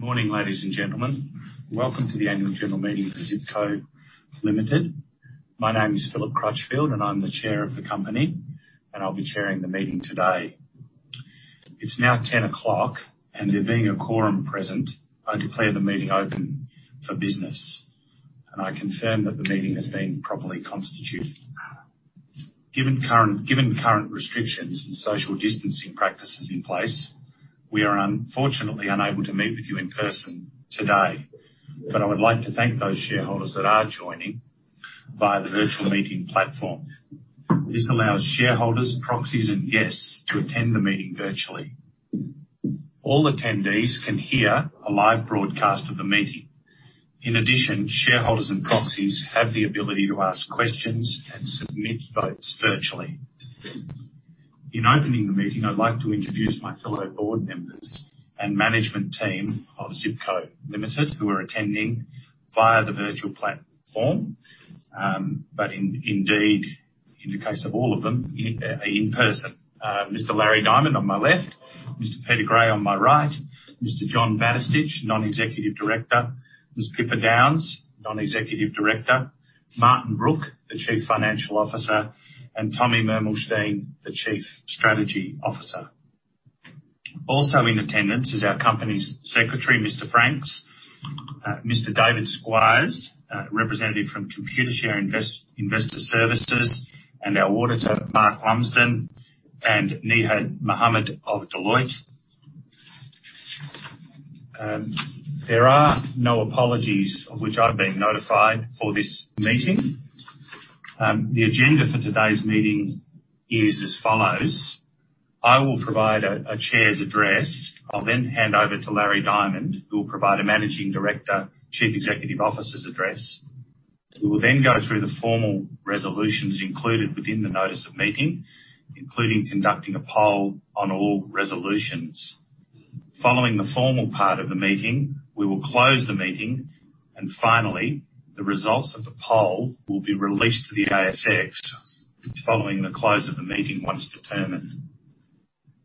Good morning, ladies and gentlemen. Welcome to the annual general meeting of Zip Co Limited. My name is Philip Crutchfield, and I'm the Chair of the company, and I'll be chairing the meeting today. It's now 10:00 A.M., and there being a quorum present, I declare the meeting open for business, and I confirm that the meeting has been properly constituted. Given current restrictions and social distancing practices in place, we are unfortunately unable to meet with you in person today. But I would like to thank those shareholders that are joining via the virtual meeting platform. This allows shareholders, proxies, and guests to attend the meeting virtually. All attendees can hear a live broadcast of the meeting. In addition, shareholders and proxies have the ability to ask questions and submit votes virtually. In opening the meeting, I'd like to introduce my fellow board members and management team of Zip Co Limited, who are attending via the virtual platform, but indeed, in the case of all of them, in person. Mr. Larry Diamond, on my left, Mr. Peter Gray, on my right, Mr. John Batistich, Non-Executive Director, Ms. Pippa Downes, Non-Executive Director, Martin Brooke, the Chief Financial Officer, and Tommy Mermelstein, the Chief Strategy Officer. Also in attendance is our company's secretary, Mr. Franks, Mr. David Squires, a representative from Computershare Investor Services, and our auditor, Mark Lumsden and Nihal Miranda of Deloitte. There are no apologies of which I've been notified for this meeting. The agenda for today's meeting is as follows: I will provide a chair's address. I'll then hand over to Larry Diamond, who will provide a Managing Director/Chief Executive Officer's address. We will then go through the formal resolutions included within the notice of meeting, including conducting a poll on all resolutions. Following the formal part of the meeting, we will close the meeting, and finally, the results of the poll will be released to the ASX following the close of the meeting, once determined.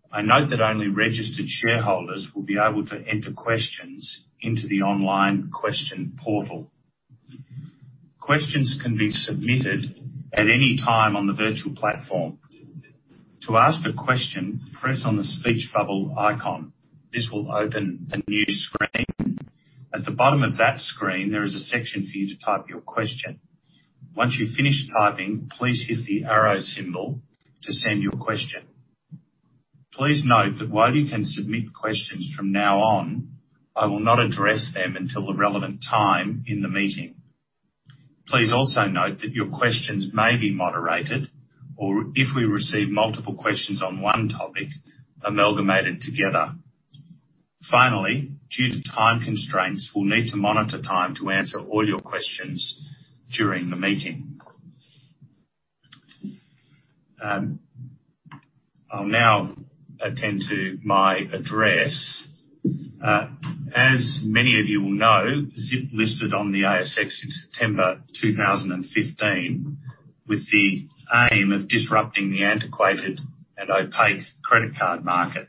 I note that only registered shareholders will be able to enter questions into the online question portal. Questions can be submitted at any time on the virtual platform. To ask a question, press on the speech bubble icon. This will open a new screen. At the bottom of that screen, there is a section for you to type your question. Once you've finished typing, please hit the arrow symbol to send your question. Please note that while you can submit questions from now on, I will not address them until the relevant time in the meeting. Please also note that your questions may be moderated, or if we receive multiple questions on one topic, amalgamated together. Finally, due to time constraints, we'll need to monitor time to answer all your questions during the meeting. I'll now attend to my address. As many of you will know, Zip listed on the ASX in September 2015, with the aim of disrupting the antiquated and opaque credit card market.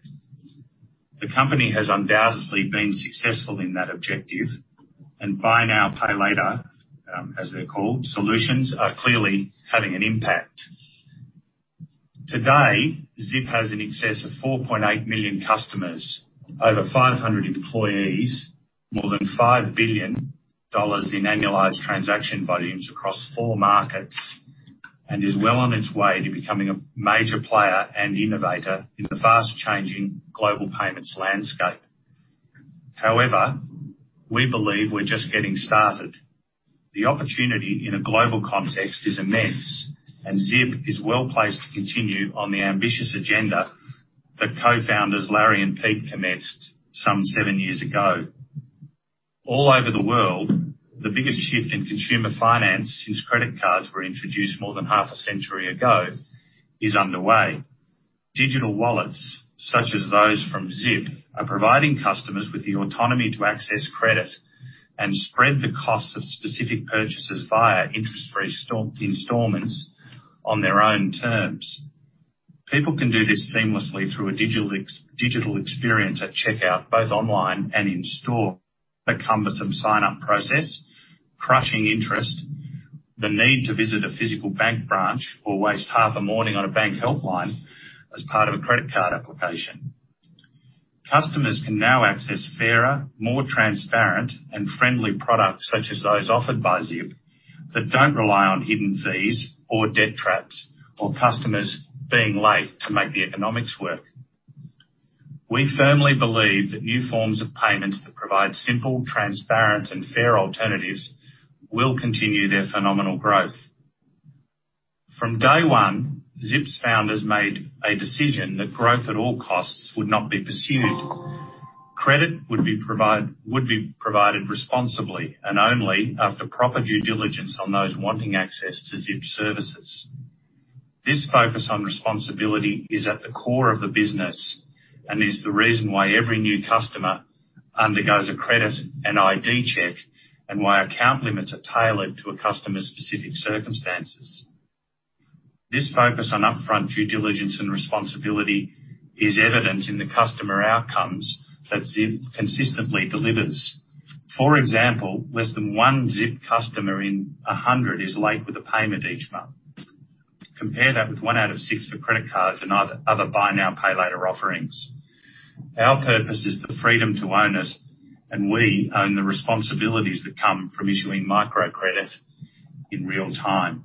The company has undoubtedly been successful in that objective, and Buy Now, Pay Later, as they're called, solutions are clearly having an impact. Today, Zip has in excess of 4.8 million customers, over 500 employees, more than $5 billion in annualized transaction volumes across four markets, and is well on its way to becoming a major player and innovator in the fast-changing global payments landscape. However, we believe we're just getting started. The opportunity in a global context is immense, and Zip is well placed to continue on the ambitious agenda that co-founders Larry and Pete commenced some seven years ago. All over the world, the biggest shift in consumer finance since credit cards were introduced more than half a century ago is underway. Digital wallets, such as those from Zip, are providing customers with the autonomy to access credit and spread the cost of specific purchases via interest-free installments on their own terms. People can do this seamlessly through a digital experience at checkout, both online and in store. A cumbersome sign-up process, crushing interest, the need to visit a physical bank branch or waste half a morning on a bank helpline as part of a credit card application. Customers can now access fairer, more transparent, and friendly products, such as those offered by Zip, that don't rely on hidden fees or debt traps or customers being late to make the economics work. We firmly believe that new forms of payments that provide simple, transparent, and fair alternatives will continue their phenomenal growth. From day one, Zip's founders made a decision that growth at all costs would not be pursued. Credit would be provided responsibly and only after proper due diligence on those wanting access to Zip services. This focus on responsibility is at the core of the business and is the reason why every new customer undergoes a credit and ID check, and why account limits are tailored to a customer's specific circumstances. This focus on upfront due diligence and responsibility is evident in the customer outcomes that Zip consistently delivers. For example, less than one Zip customer in a hundred is late with a payment each month. Compare that with one out of six for credit cards and other Buy Now, Pay Later offerings. Our purpose is the freedom to own it, and we own the responsibilities that come from issuing microcredit in real time.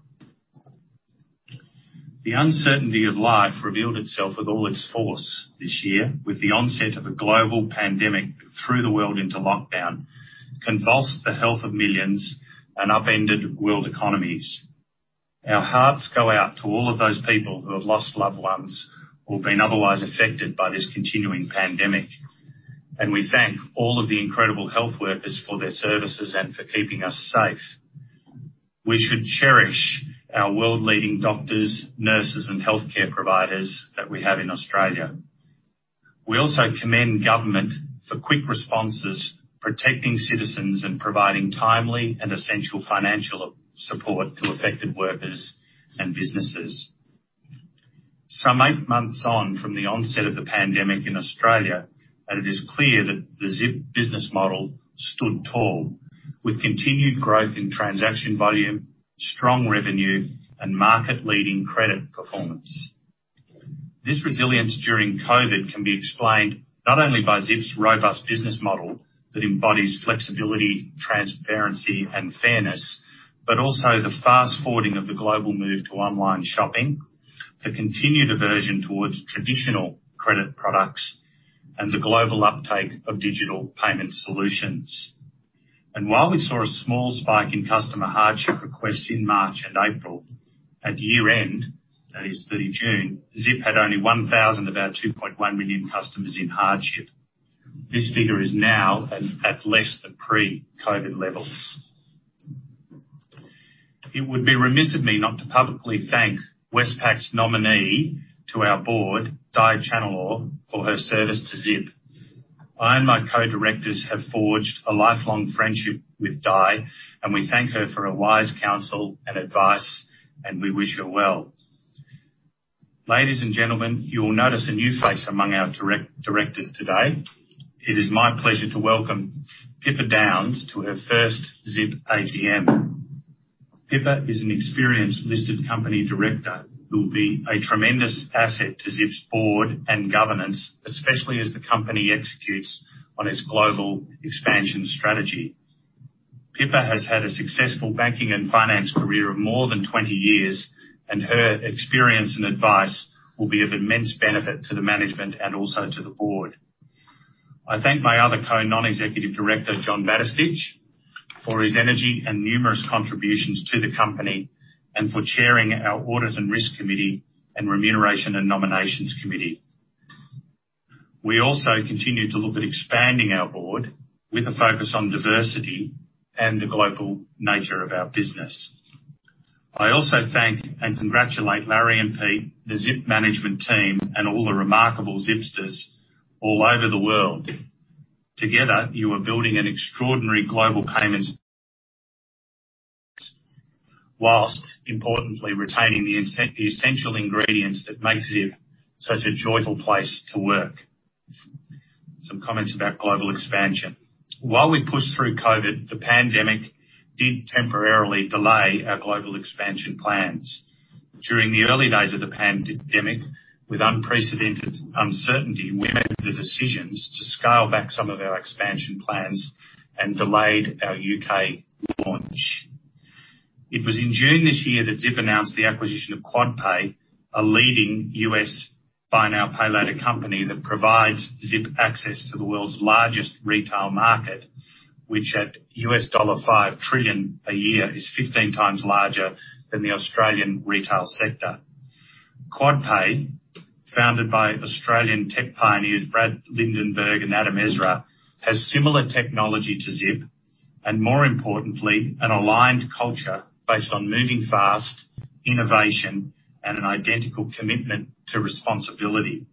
The uncertainty of life revealed itself with all its force this year, with the onset of a global pandemic, threw the world into lockdown, convulsed the health of millions, and upended world economies. Our hearts go out to all of those people who have lost loved ones or been otherwise affected by this continuing pandemic, and we thank all of the incredible health workers for their services and for keeping us safe. We should cherish our world-leading doctors, nurses, and healthcare providers that we have in Australia. We also commend government for quick responses, protecting citizens, and providing timely and essential financial support to affected workers and businesses. Some eight months on from the onset of the pandemic in Australia, and it is clear that the Zip business model stood tall, with continued growth in transaction volume, strong revenue, and market-leading credit performance. This resilience during COVID can be explained not only by Zip's robust business model that embodies flexibility, transparency, and fairness, but also the fast-forwarding of the global move to online shopping, the continued aversion towards traditional credit products, and the global uptake of digital payment solutions. While we saw a small spike in customer hardship requests in March and April, at year-end, that is 30 June, Zip had only 1,000 of our about 2.1 million customers in hardship. This figure is now at less than pre-COVID levels. It would be remiss of me not to publicly thank Westpac's nominee to our board, Di Challenor, for her service to Zip. I and my co-directors have forged a lifelong friendship with Di, and we thank her for her wise counsel and advice, and we wish her well. Ladies and gentlemen, you will notice a new face among our directors today. It is my pleasure to welcome Pippa Downes to her first Zip AGM. Pippa is an experienced listed company director who will be a tremendous asset to Zip's board and governance, especially as the company executes on its global expansion strategy. Pippa has had a successful banking and finance career of more than twenty years, and her experience and advice will be of immense benefit to the management and also to the board. I thank my other co-non-executive director, John Batistich, for his energy and numerous contributions to the company, and for chairing our Audit and Risk Committee and Remuneration and Nominations Committee. We also continue to look at expanding our board with a focus on diversity and the global nature of our business. I also thank and congratulate Larry and Pete, the Zip management team, and all the remarkable Zipsters all over the world. Together, you are building an extraordinary global payments while importantly retaining the essential ingredients that make Zip such a joyful place to work. Some comments about global expansion. While we pushed through COVID, the pandemic did temporarily delay our global expansion plans. During the early days of the pandemic, with unprecedented uncertainty, we made the decisions to scale back some of our expansion plans and delayed our U.K. launch. It was in June this year that Zip announced the acquisition of QuadPay, a leading U.S. Buy Now, Pay Later company that provides Zip access to the world's largest retail market, which at $5 trillion a year, is 15 times larger than the Australian retail sector. QuadPay, founded by Australian tech pioneers, Brad Lindenberg and Adam Ezra, has similar technology to Zip, and more importantly, an aligned culture based on moving fast, innovation, and an identical commitment to responsibility.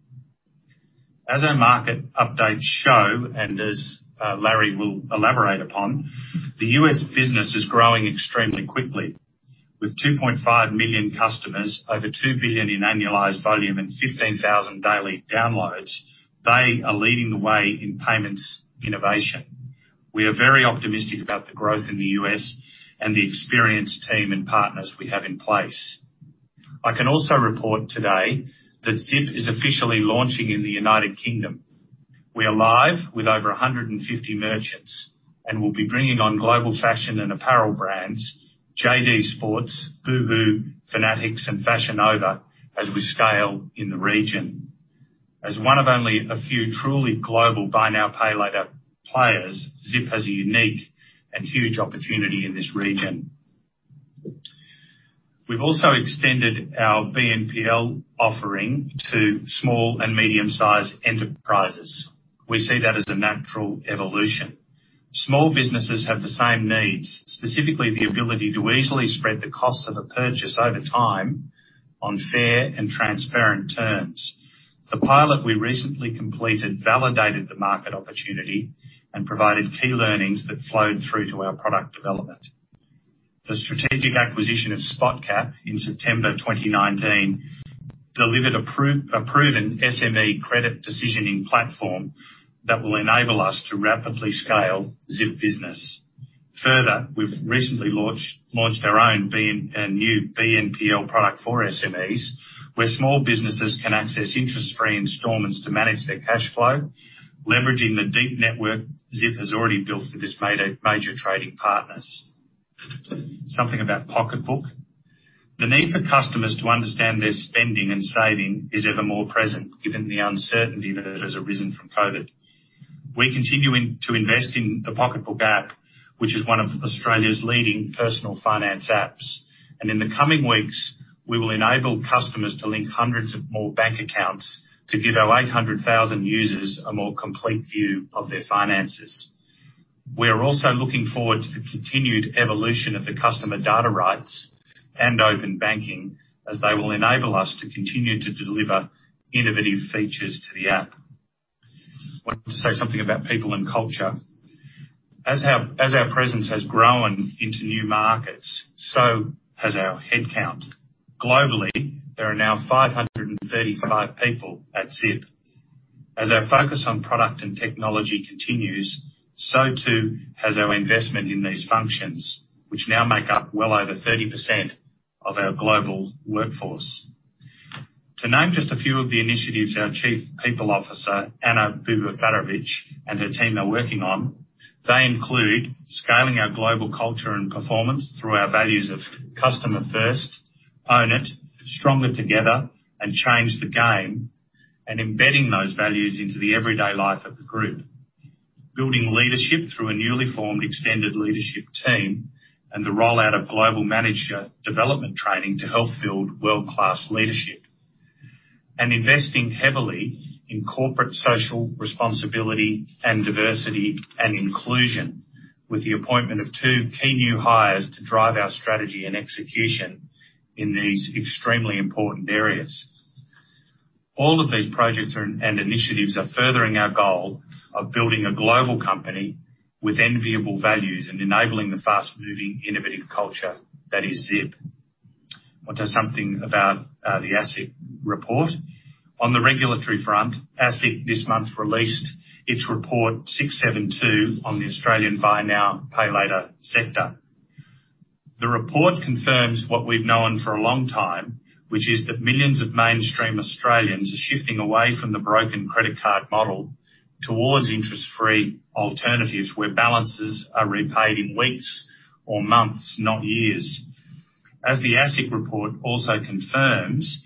As our market updates show, and as Larry will elaborate upon, the U.S. business is growing extremely quickly. With 2.5 million customers, over $2 billion in annualized volume, and 15,000 daily downloads, they are leading the way in payments innovation. We are very optimistic about the growth in the U.S. and the experienced team and partners we have in place. I can also report today that Zip is officially launching in the United Kingdom. We are live with over 150 merchants, and we'll be bringing on global fashion and apparel brands, JD Sports, Boohoo, Fanatics, and Fashion Nova, as we scale in the region. As one of only a few truly global Buy Now, Pay Later players, Zip has a unique and huge opportunity in this region. We've also extended our BNPL offering to small and medium-sized enterprises. We see that as a natural evolution. Small businesses have the same needs, specifically the ability to easily spread the costs of a purchase over time on fair and transparent terms. The pilot we recently completed validated the market opportunity and provided key learnings that flowed through to our product development. The strategic acquisition of Spotcap in September 2019 delivered a proven SME credit decisioning platform that will enable us to rapidly scale Zip Business. Further, we've recently launched our own a new BNPL product for SMEs, where small businesses can access interest-free installments to manage their cash flow, leveraging the deep network Zip has already built with its major trading partners. Something about Pocketbook. The need for customers to understand their spending and saving is ever more present, given the uncertainty that has arisen from COVID. We're continuing to invest in the Pocketbook app, which is one of Australia's leading personal finance apps. In the coming weeks, we will enable customers to link hundreds more bank accounts to give our 800,000 users a more complete view of their finances. We are also looking forward to the continued evolution of the customer data rights and open banking, as they will enable us to continue to deliver innovative features to the app. I want to say something about people and culture. As our presence has grown into new markets, so has our headcount. Globally, there are now 535 people at Zip. As our focus on product and technology continues, so too has our investment in these functions, which now make up well over 30% of our global workforce. To name just a few of the initiatives our Chief People Officer, Anna Buber-Farovich, and her team are working on, they include scaling our global culture and performance through our values of customer first, own it, stronger together, and change the game, and embedding those values into the everyday life of the group, building leadership through a newly formed extended leadership team, and the rollout of global manager development training to help build world-class leadership, and investing heavily in corporate social responsibility and diversity and inclusion, with the appointment of two key new hires to drive our strategy and execution in these extremely important areas. All of these projects and initiatives are furthering our goal of building a global company with enviable values and enabling the fast-moving, innovative culture that is Zip. I want to say something about the ASIC report. On the regulatory front, ASIC this month released its report, 672, on the Australian Buy Now, Pay Later sector. The report confirms what we've known for a long time, which is that millions of mainstream Australians are shifting away from the broken credit card model towards interest-free alternatives, where balances are repaid in weeks or months, not years. As the ASIC report also confirms,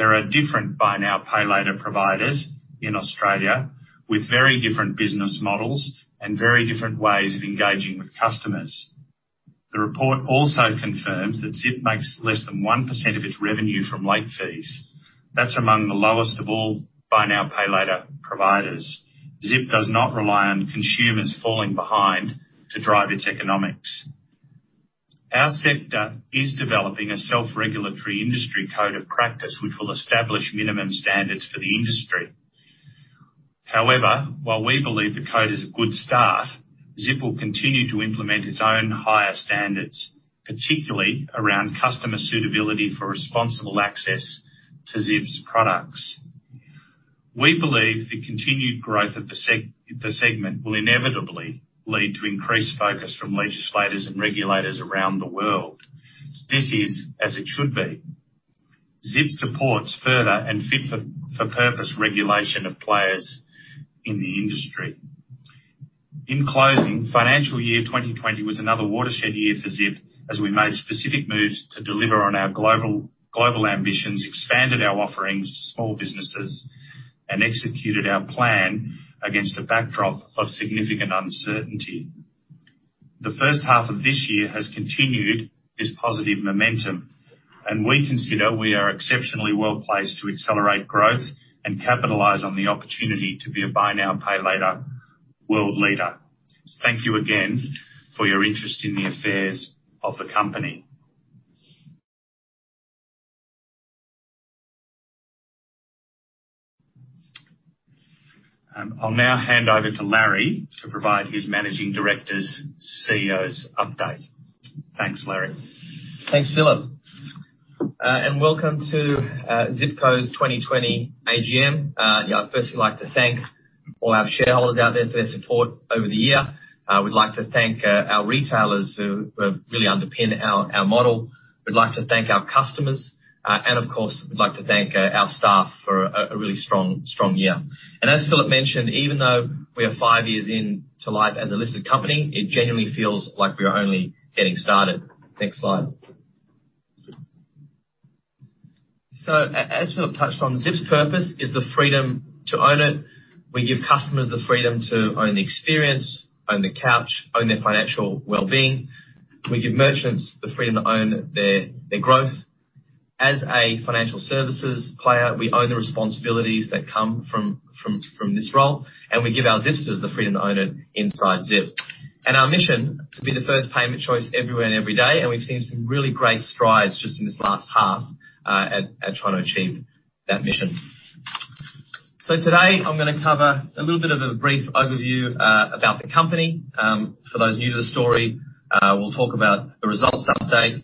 there are different Buy Now, Pay Later providers in Australia with very different business models and very different ways of engaging with customers. The report also confirms that Zip makes less than 1% of its revenue from late fees. That's among the lowest of all Buy Now, Pay Later providers. Zip does not rely on consumers falling behind to drive its economics. Our sector is developing a self-regulatory industry code of practice, which will establish minimum standards for the industry. However, while we believe the code is a good start, Zip will continue to implement its own higher standards, particularly around customer suitability for responsible access to Zip's products. We believe the continued growth of the segment will inevitably lead to increased focus from legislators and regulators around the world. This is as it should be. Zip supports further and fit for purpose regulation of players in the industry. In closing, financial year twenty twenty was another watershed year for Zip, as we made specific moves to deliver on our global, global ambitions, expanded our offerings to small businesses, and executed our plan against a backdrop of significant uncertainty. The first half of this year has continued this positive momentum, and we consider we are exceptionally well placed to accelerate growth and capitalize on the opportunity to be a Buy Now, Pay Later world leader. Thank you again for your interest in the affairs of the company. I'll now hand over to Larry to provide his Managing Director's, CEO's update. Thanks, Larry. Thanks, Philip, and welcome to Zip Co's 2020 AGM. I'd firstly like to thank all our shareholders out there for their support over the year. We'd like to thank our retailers who have really underpinned our model. We'd like to thank our customers, and of course, we'd like to thank our staff for a really strong year. As Philip mentioned, even though we are five years into life as a listed company, it genuinely feels like we are only getting started. Next slide. As Philip touched on, Zip's purpose is the freedom to own it. We give customers the freedom to own the experience, own the couch, own their financial well-being. We give merchants the freedom to own their growth. As a financial services player, we own the responsibilities that come from this role, and we give our Zipsters the freedom to own it inside Zip, and our mission to be the first payment choice everywhere and every day, and we've seen some really great strides just in this last half at trying to achieve that mission, so today I'm going to cover a little bit of a brief overview about the company for those new to the story. We'll talk about the results update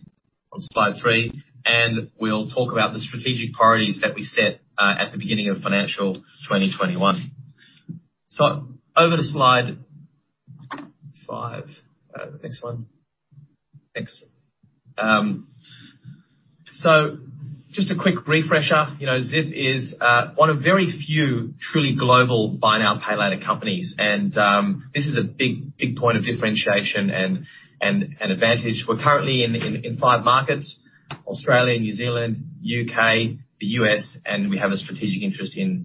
on slide three, and we'll talk about the strategic priorities that we set at the beginning of financial 2021, so over to slide five. The next one. Thanks, so just a quick refresher. You know, Zip is one of very few truly global Buy Now, Pay Later companies, and this is a big, big point of differentiation and, and, and advantage. We're currently in five markets, Australia, New Zealand, U.K., the U.S., and we have a strategic interest in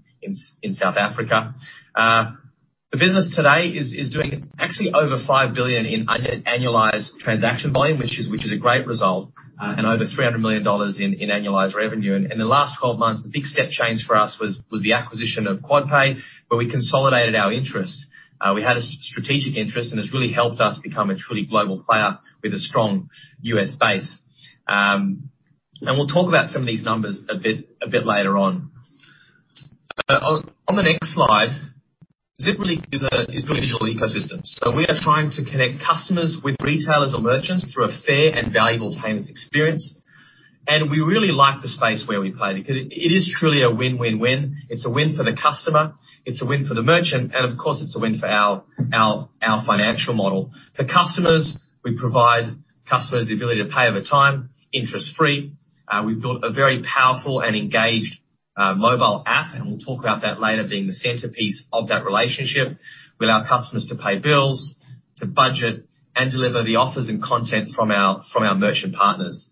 South Africa. The business today is doing actually over 5 billion in underlying annualized transaction volume, which is a great result, and over 300 million dollars in annualized revenue. And in the last twelve months, the big step change for us was the acquisition of QuadPay, where we consolidated our interest. We had a strategic interest, and it's really helped us become a truly global player with a strong U.S. base. And we'll talk about some of these numbers a bit, a bit later on. On the next slide, Zip really is building a digital ecosystem. So we are trying to connect customers with retailers or merchants through a fair and valuable payments experience. And we really like the space where we play because it is truly a win, win, win. It's a win for the customer, it's a win for the merchant, and of course, it's a win for our financial model. For customers, we provide customers the ability to pay over time, interest-free. We've built a very powerful and engaged mobile app, and we'll talk about that later being the centerpiece of that relationship. We allow customers to pay bills, to budget, and deliver the offers and content from our merchant partners.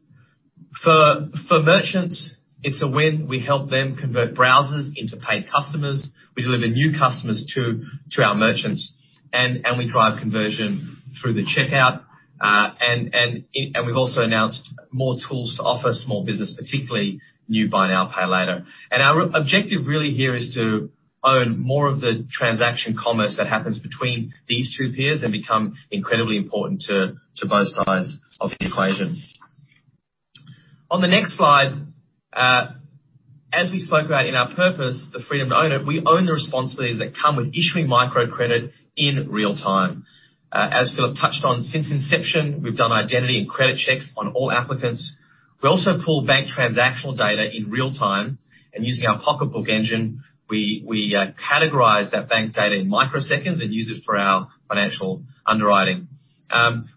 For merchants, it's a win. We help them convert browsers into paid customers. We deliver new customers to our merchants, and we drive conversion through the checkout. We've also announced more tools to offer small business, particularly new Buy Now, Pay Later. Our objective really here is to own more of the transaction commerce that happens between these two peers and become incredibly important to both sides of the equation. On the next slide, as we spoke about in our purpose, the freedom to own it, we own the responsibilities that come with issuing microcredit in real time. As Philip touched on, since inception, we've done identity and credit checks on all applicants. We also pull bank transactional data in real time, and using our Pocketbook engine, we categorize that bank data in microseconds and use it for our financial underwriting.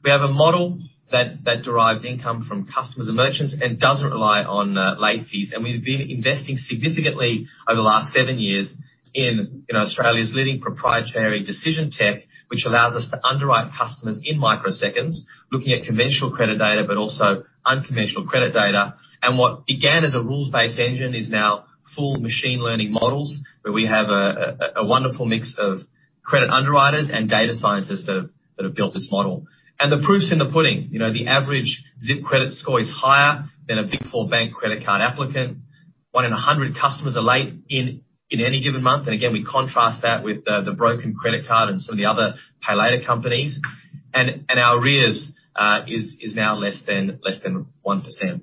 We have a model that derives income from customers and merchants and doesn't rely on late fees. We've been investing significantly over the last seven years in, you know, Australia's leading proprietary decision tech, which allows us to underwrite customers in microseconds, looking at conventional credit data, but also unconventional credit data. What began as a rules-based engine is now full machine learning models, where we have a wonderful mix of credit underwriters and data scientists that have built this model. The proof's in the pudding. You know, the average Zip credit score is higher than a Big Four bank credit card applicant. One in a hundred customers are late in any given month, and again, we contrast that with the broken credit card and some of the other pay later companies. Our arrears is now less than 1%.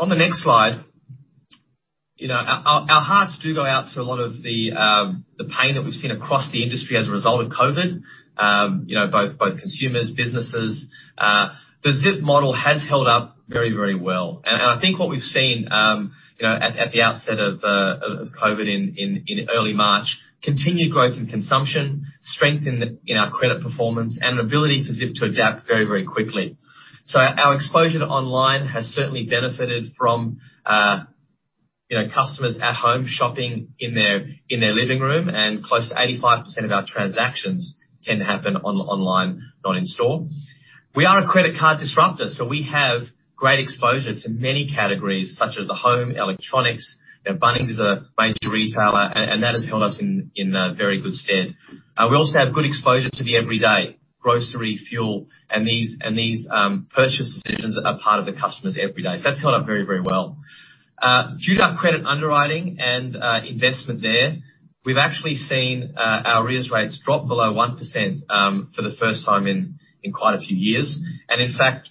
On the next slide, you know, our hearts do go out to a lot of the pain that we've seen across the industry as a result of COVID. You know, both consumers, businesses. The Zip model has held up very, very well. I think what we've seen at the outset of COVID in early March, continued growth in consumption, strength in our credit performance, and an ability for Zip to adapt very, very quickly. Our exposure to online has certainly benefited from customers at home shopping in their living room, and close to 85% of our transactions tend to happen online, not in store. We are a credit card disruptor, so we have great exposure to many categories, such as the home, electronics. You know, Bunnings is a major retailer, and that has held us in very good stead. We also have good exposure to the everyday, grocery, fuel, and purchase decisions are part of the customer's every day. So that's held up very, very well. Due to our credit underwriting and investment there, we've actually seen our arrears rates drop below 1% for the first time in quite a few years, and in fact,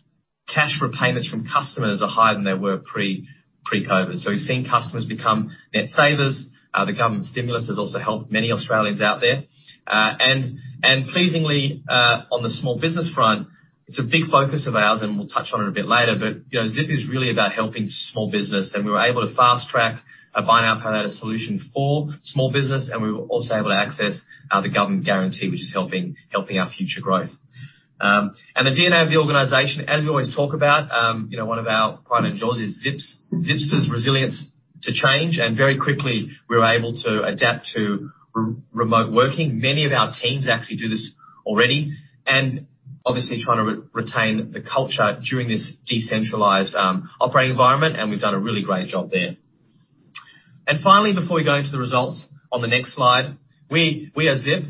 cash repayments from customers are higher than they were pre-COVID, so we've seen customers become net savers. The government stimulus has also helped many Australians out there. And, pleasingly, on the small business front, it's a big focus of ours, and we'll touch on it a bit later, but, you know, Zip is really about helping small business, and we were able to fast-track a Buy Now, Pay Later solution for small business, and we were also able to access the government guarantee, which is helping our future growth. And the DNA of the organization, as we always talk about, you know, one of our prime endures is Zip's resilience to change, and very quickly, we were able to adapt to remote working. Many of our teams actually do this already, and obviously trying to retain the culture during this decentralized operating environment, and we've done a really great job there. And finally, before we go into the results on the next slide, we are Zip.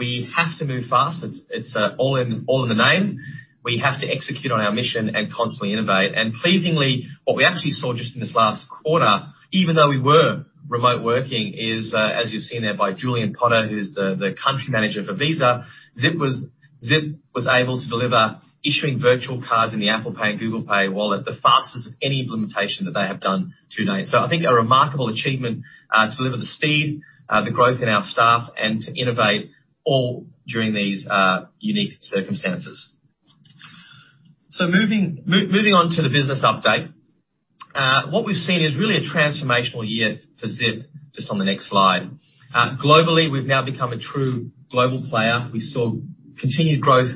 We have to move fast. It's all in the name. We have to execute on our mission and constantly innovate. And pleasingly, what we actually saw just in this last quarter, even though we were remote working, is as you've seen there by Julian Potter, who's the country manager for Visa, Zip was able to deliver issuing virtual cards in the Apple Pay and Google Pay wallet, the fastest of any implementation that they have done to date. So I think a remarkable achievement to deliver the speed, the growth in our staff, and to innovate all during these unique circumstances. So moving on to the business update, what we've seen is really a transformational year for Zip, just on the next slide. Globally, we've now become a true global player. We saw continued growth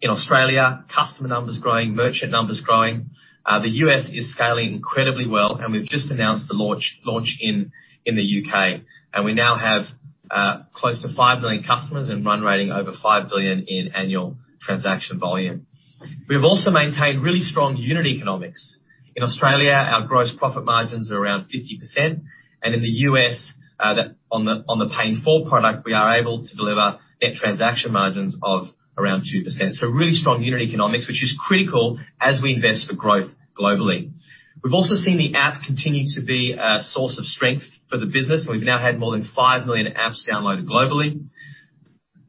in Australia, customer numbers growing, merchant numbers growing. The U.S. is scaling incredibly well, and we've just announced the launch in the U.K., and we now have close to 5 million customers and run rate over 5 billion in annual transaction volume. We have also maintained really strong unit economics. In Australia, our gross profit margins are around 50%, and in the U.S., on the Pay in 4 product, we are able to deliver net transaction margins of around 2%. So really strong unit economics, which is critical as we invest for growth globally. We've also seen the app continue to be a source of strength for the business, and we've now had more than five million apps downloaded globally.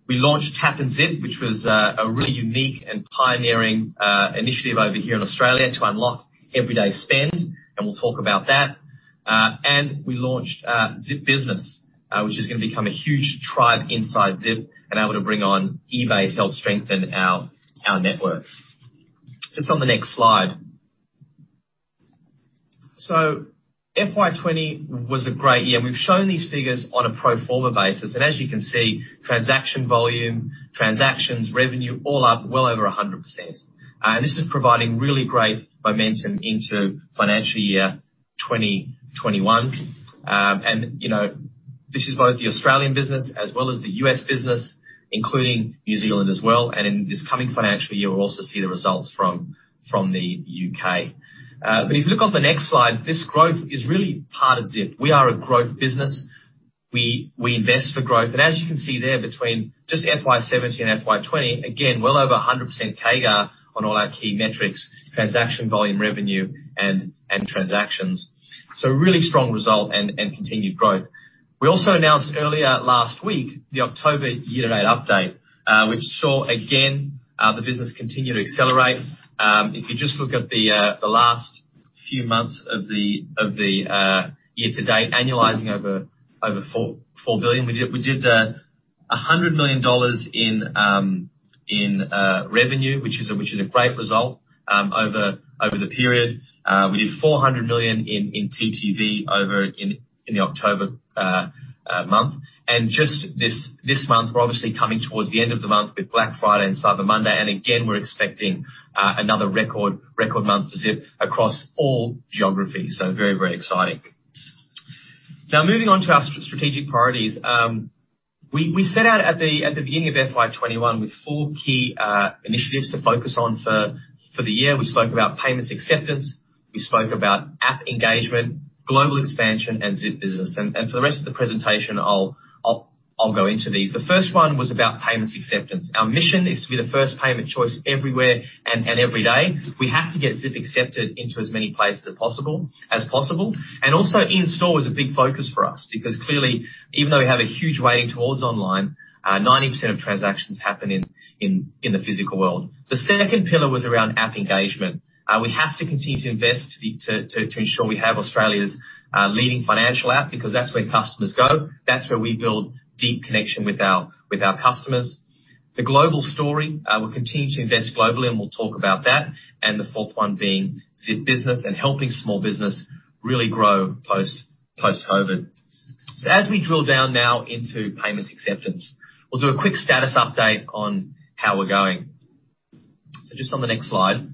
We launched Tap & Zip, which was a really unique and pioneering initiative over here in Australia to unlock everyday spend, and we'll talk about that. And we launched Zip Business, which is going to become a huge tribe inside Zip and able to bring on eBay to help strengthen our network. Just on the next slide. So FY 2020 was a great year. We've shown these figures on a pro forma basis, and as you can see, transaction volume, transactions, revenue, all up well over 100%. This is providing really great momentum into financial year 2021. You know, this is both the Australian business as well as the U.S. business, including New Zealand as well. In this coming financial year, we'll also see the results from the U.K. If you look on the next slide, this growth is really part of Zip. We are a growth business. We invest for growth, and as you can see there, between just FY 2017 and FY 2020, again, well over 100% CAGR on all our key metrics, transaction volume, revenue, and transactions. So a really strong result and continued growth. We also announced earlier last week the October year-to-date update, which saw, again, the business continue to accelerate. If you just look at the last few months of the year to date, annualizing over 4 billion, we did a 100 million dollars in revenue, which is a great result over the period. We did 400 million in TTV over in the October month. And just this month, we're obviously coming towards the end of the month with Black Friday and Cyber Monday, and again, we're expecting another record month for Zip across all geographies. So very exciting. Now, moving on to our strategic priorities. We set out at the beginning of FY 2021 with four key initiatives to focus on for the year. We spoke about payments acceptance, we spoke about app engagement, global expansion, and Zip business. And for the rest of the presentation, I'll go into these. The first one was about payments acceptance. Our mission is to be the first payment choice everywhere and every day. We have to get Zip accepted into as many places as possible. And also in-store is a big focus for us because clearly, even though we have a huge weighting towards online, 90% of transactions happen in the physical world. The second pillar was around app engagement. We have to continue to invest to ensure we have Australia's leading financial app, because that's where customers go, that's where we build deep connection with our customers. The global story, we're continuing to invest globally, and we'll talk about that. And the fourth one being Zip Business and helping small business really grow post-COVID. So as we drill down now into payments acceptance, we'll do a quick status update on how we're going. So just on the next slide.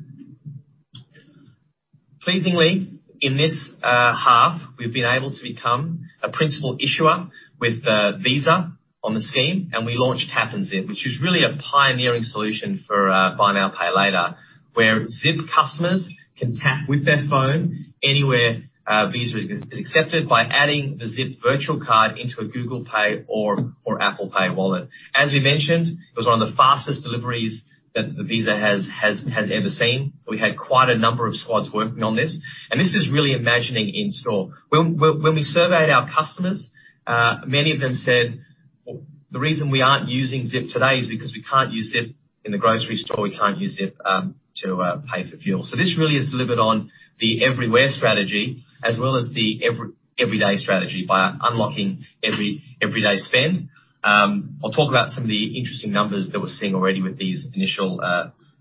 Pleasingly, in this half, we've been able to become a principal issuer with Visa on the scheme, and we launched Tap & Zip, which is really a pioneering solution for Buy Now, Pay Later, where Zip customers can tap with their phone anywhere Visa is accepted by adding the Zip virtual card into a Google Pay or Apple Pay wallet. As we mentioned, it was one of the fastest deliveries that Visa has ever seen. We had quite a number of squads working on this, and this is really imagining in-store. When we surveyed our customers, many of them said, "Well, the reason we aren't using Zip today is because we can't use Zip in the grocery store, we can't use Zip to pay for fuel." So this really is delivered on the everywhere strategy as well as the everyday strategy by unlocking everyday spend. I'll talk about some of the interesting numbers that we're seeing already with these initial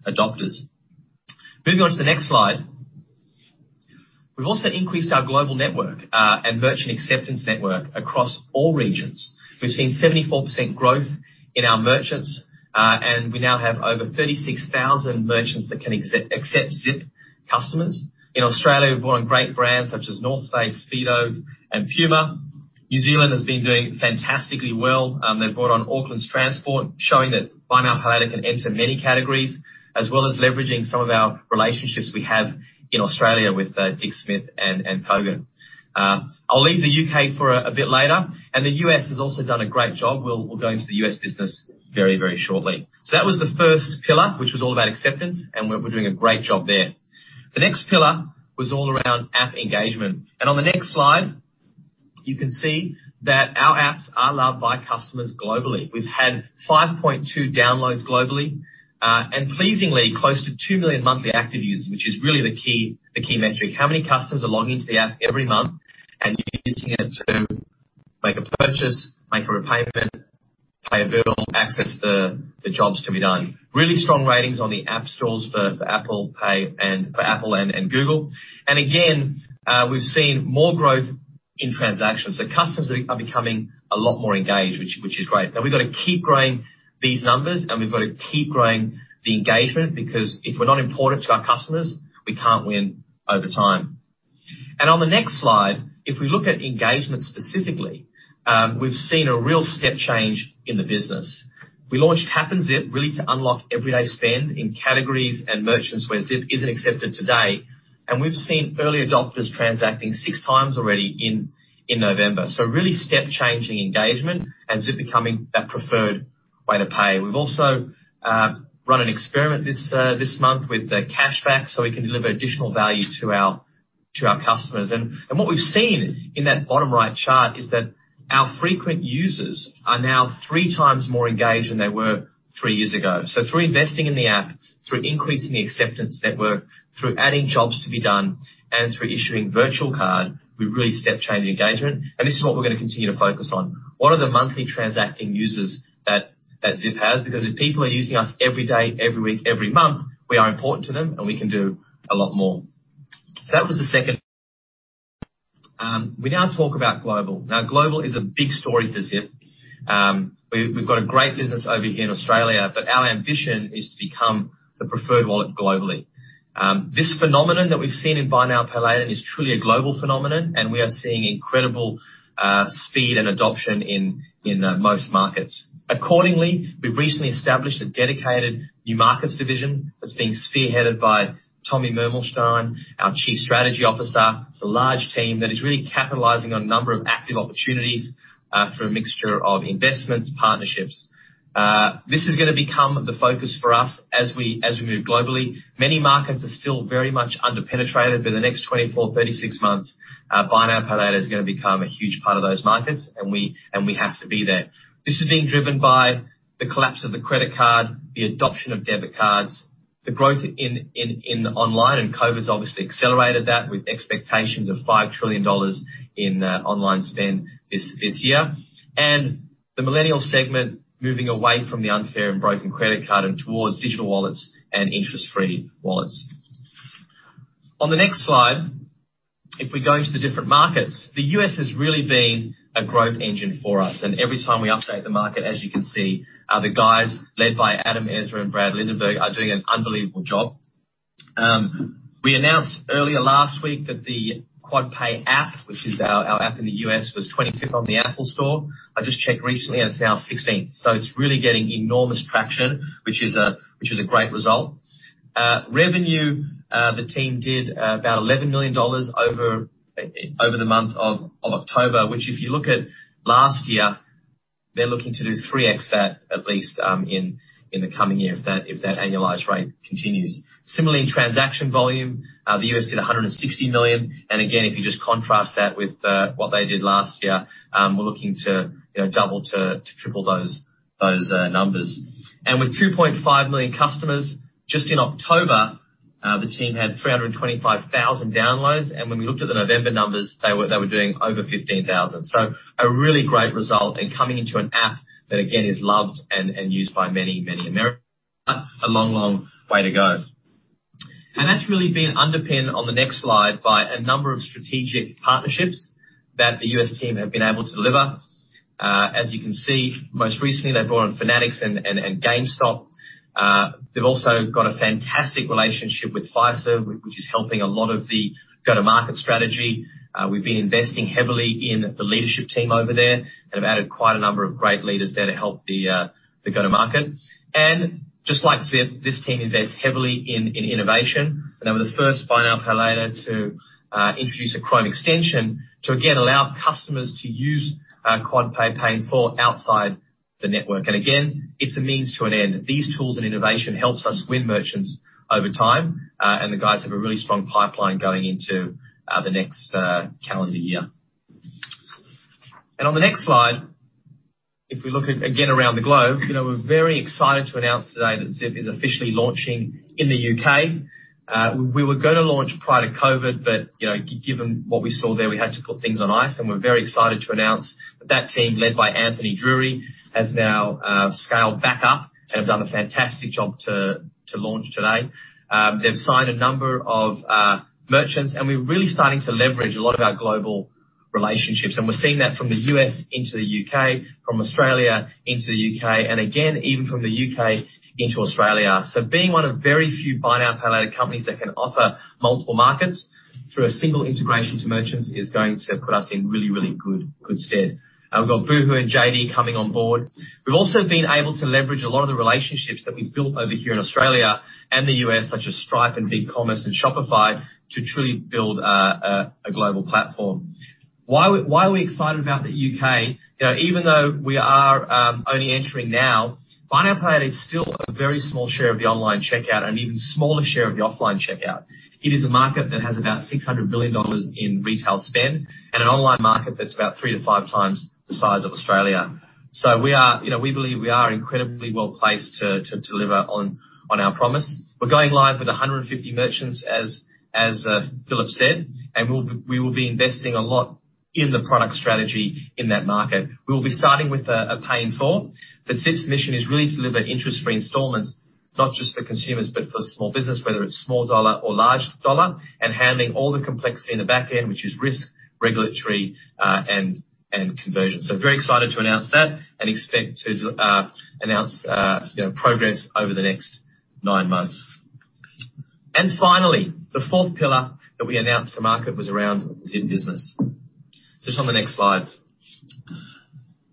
adopters. Moving on to the next slide. We've also increased our global network and merchant acceptance network across all regions. We've seen 74% growth in our merchants, and we now have over 36,000 merchants that can accept Zip customers. In Australia, we've brought on great brands such as North Face, Speedos, and Puma. New Zealand has been doing fantastically well. They've brought on Auckland Transport, showing that Buy Now, Pay Later can enter many categories, as well as leveraging some of our relationships we have in Australia with Dick Smith and Kogan. I'll leave the U.K. for a bit later, and the U.S. has also done a great job. We'll go into the U.S. business very, very shortly. So that was the first pillar, which was all about acceptance, and we're doing a great job there. The next pillar was all around app engagement, and on the next slide, you can see that our apps are loved by customers globally. We've had 5.2 million downloads globally, and pleasingly, close to 2 million monthly active users, which is really the key metric. How many customers are logging into the app every month and using it to make a purchase, make a repayment, pay a bill, access the jobs to be done? Really strong ratings on the app stores for Apple and Google. And again, we've seen more growth in transactions, so customers are becoming a lot more engaged, which is great. Now, we've got to keep growing these numbers, and we've got to keep growing the engagement, because if we're not important to our customers, we can't win over time. And on the next slide, if we look at engagement specifically, we've seen a real step change in the business. We launched Tap & Zip really to unlock everyday spend in categories and merchants where Zip isn't accepted today, and we've seen early adopters transacting six times already in November. So really step changing engagement, and Zip becoming that preferred way to pay. We've also run an experiment this month with the cashback, so we can deliver additional value to our customers. And what we've seen in that bottom right chart is that our frequent users are now three times more engaged than they were three years ago. So through investing in the app, through increasing the acceptance network, through adding jobs to be done, and through issuing virtual card, we've really step-changed the engagement, and this is what we're going to continue to focus on. What are the monthly transacting users that Zip has? Because if people are using us every day, every week, every month, we are important to them, and we can do a lot more. So that was the second. We now talk about global. Now, global is a big story for Zip. We've got a great business over here in Australia, but our ambition is to become the preferred wallet globally. This phenomenon that we've seen in Buy Now, Pay Later is truly a global phenomenon, and we are seeing incredible speed and adoption in most markets. Accordingly, we've recently established a dedicated new markets division that's being spearheaded by Tommy Mermelstein, our Chief Strategy Officer. It's a large team that is really capitalizing on a number of active opportunities through a mixture of investments, partnerships. This is going to become the focus for us as we move globally. Many markets are still very much under-penetrated, but in the next twenty-four, thirty-six months, Buy Now, Pay Later is going to become a huge part of those markets, and we, and we have to be there. This is being driven by the collapse of the credit card, the adoption of debit cards, the growth in online, and COVID's obviously accelerated that with expectations of $5 trillion in online spend this year, and the millennial segment moving away from the unfair and broken credit card and towards digital wallets and interest-free wallets. On the next slide, if we go into the different markets, the U.S. has really been a growth engine for us, and every time we update the market, as you can see, the guys led by Adam Ezra and Brad Lindenberg are doing an unbelievable job. We announced earlier last week that the QuadPay app, which is our app in the U.S., was 25th on the Apple Store. I just checked recently, and it's now 16th, so it's really getting enormous traction, which is a great result. Revenue, the team did about $11 million over the month of October, which, if you look at last year, they're looking to do 3x that at least in the coming year if that annualized rate continues. Similarly, in transaction volume, the U.S. did $160 million, and again, if you just contrast that with what they did last year, we're looking to, you know, double to triple those numbers. And with 2.5 million customers, just in October, the team had 325,000 downloads, and when we looked at the November numbers, they were doing over 15,000. So a really great result and coming into an app that, again, is loved and used by many, many Americans. A long, long way to go. And that's really been underpinned on the next slide by a number of strategic partnerships that the U.S. team have been able to deliver. As you can see, most recently, they brought on Fanatics and GameStop. They've also got a fantastic relationship with Visa, which is helping a lot of the go-to-market strategy. We've been investing heavily in the leadership team over there and have added quite a number of great leaders there to help the go-to-market. Just like Zip, this team invests heavily in innovation, and they were the first Buy Now, Pay Later to introduce a Chrome extension to again allow customers to use QuadPay, Pay in 4 outside the network. Again, it's a means to an end. These tools and innovation helps us win merchants over time, and the guys have a really strong pipeline going into the next calendar year. On the next slide, if we look at again around the globe, you know, we're very excited to announce today that Zip is officially launching in the U.K. We were going to launch prior to COVID, but, you know, given what we saw there, we had to put things on ice, and we're very excited to announce that that team, led by Anthony Drury, has now scaled back up and have done a fantastic job to launch today. They've signed a number of merchants, and we're really starting to leverage a lot of our global relationships, and we're seeing that from the U.S. into the U.K., from Australia into the U.K., and again, even from the U.K. into Australia. So being one of very few Buy Now, Pay Later companies that can offer multiple markets through a single integration to merchants is going to put us in really good stead. And we've got Boohoo and JD coming on board. We've also been able to leverage a lot of the relationships that we've built over here in Australia and the U.S., such as Stripe, and BigCommerce, and Shopify, to truly build a global platform. Why are we excited about the U.K.? You know, even though we are only entering now, Buy Now, Pay Later is still a very small share of the online checkout, and an even smaller share of the offline checkout. It is a market that has about $600 billion in retail spend, and an online market that's about 3 to 5 times the size of Australia. So we are. You know, we believe we are incredibly well-placed to deliver on our promise. We're going live with 150 merchants, as Philip said, and we will be investing a lot in the product strategy in that market. We will be starting with a Pay in 4, but Zip's mission is really to deliver interest-free installments, not just for consumers, but for small business, whether it's small dollar or large dollar, and handling all the complexity in the back end, which is risk, regulatory, and conversion. So very excited to announce that and expect to announce, you know, progress over the next nine months. And finally, the fourth pillar that we announced to market was around Zip Business. So it's on the next slide.